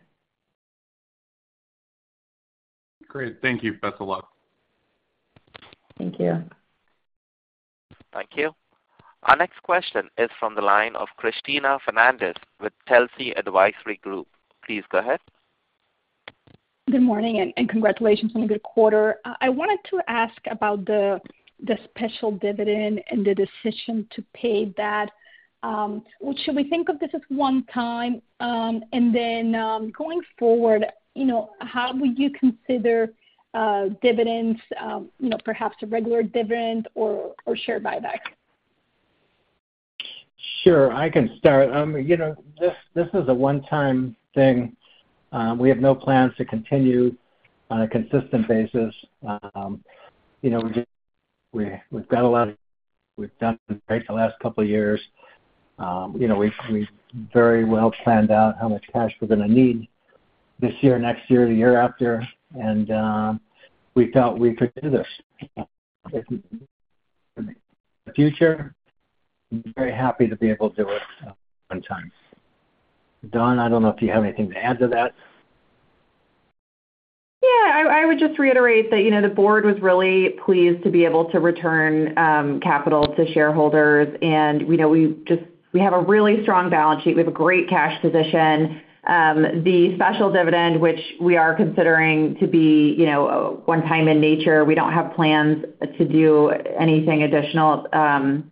Great. Thank you. Best of luck. Thank you. Thank you. Our next question is from the line of Cristina Fernandez with Telsey Advisory Group. Please go ahead. Good morning and congratulations on a good quarter. I wanted to ask about the special dividend and the decision to pay that. Should we think of this as one-time and then going forward how would you consider dividends perhaps a regular dividend or share buyback? Sure. I can start. This is a one-time thing. We have no plans to continue on a consistent basis. We've done great the last couple of years. We've very well planned out how much cash we're going to need this year, next year, the year after, and we felt we could do this. The future? Very happy to be able to do it one time. Dawn, I don't know if you have anything to add to that. Yeah. I would just reiterate that the board was really pleased to be able to return capital to shareholders and we have a really strong balance sheet. We have a great cash position. The special dividend which we are considering to be one-time in nature we don't have plans to do anything additional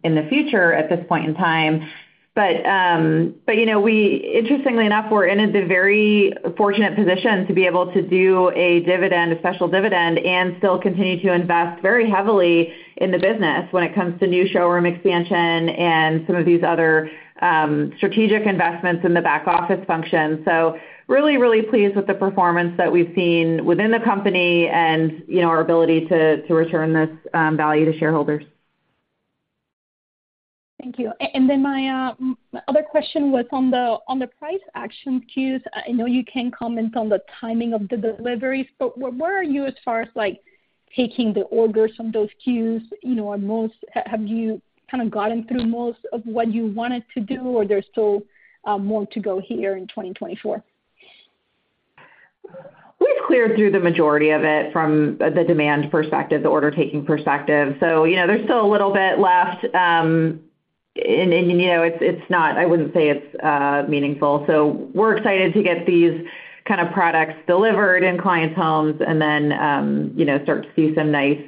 in the future at this point in time. But interestingly enough we're in the very fortunate position to be able to do a dividend, a special dividend and still continue to invest very heavily in the business when it comes to new showroom expansion and some of these other strategic investments in the back office function. So really, really pleased with the performance that we've seen within the company and our ability to return this value to shareholders. Thank you. And then my other question was on the price action SKUs. I know you can comment on the timing of the deliveries but where are you as far as taking the orders from those SKUs? Have you kind of gotten through most of what you wanted to do or there's still more to go here in 2024? We've cleared through the majority of it from the demand perspective, the order taking perspective. So there's still a little bit left, and it's not—I wouldn't say—it's meaningful. So we're excited to get these kind of products delivered in clients' homes and then start to see some nice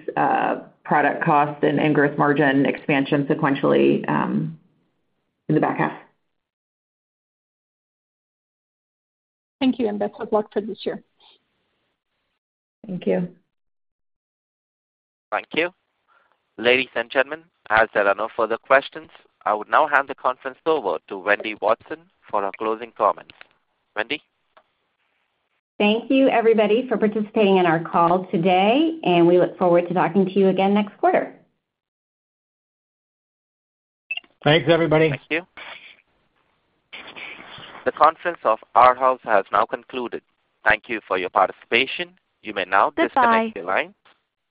product cost and gross margin expansion sequentially in the back half. Thank you. Best of luck for this year. Thank you. Thank you. Ladies and gentlemen, as there are no further questions, I would now hand the conference over to Wendy Watson for her closing comments. Wendy. Thank you everybody for participating in our call today and we look forward to talking to you again next quarter. Thanks everybody. Thank you. The conference call of Arhaus has now concluded. Thank you for your participation. You may now disconnect your line.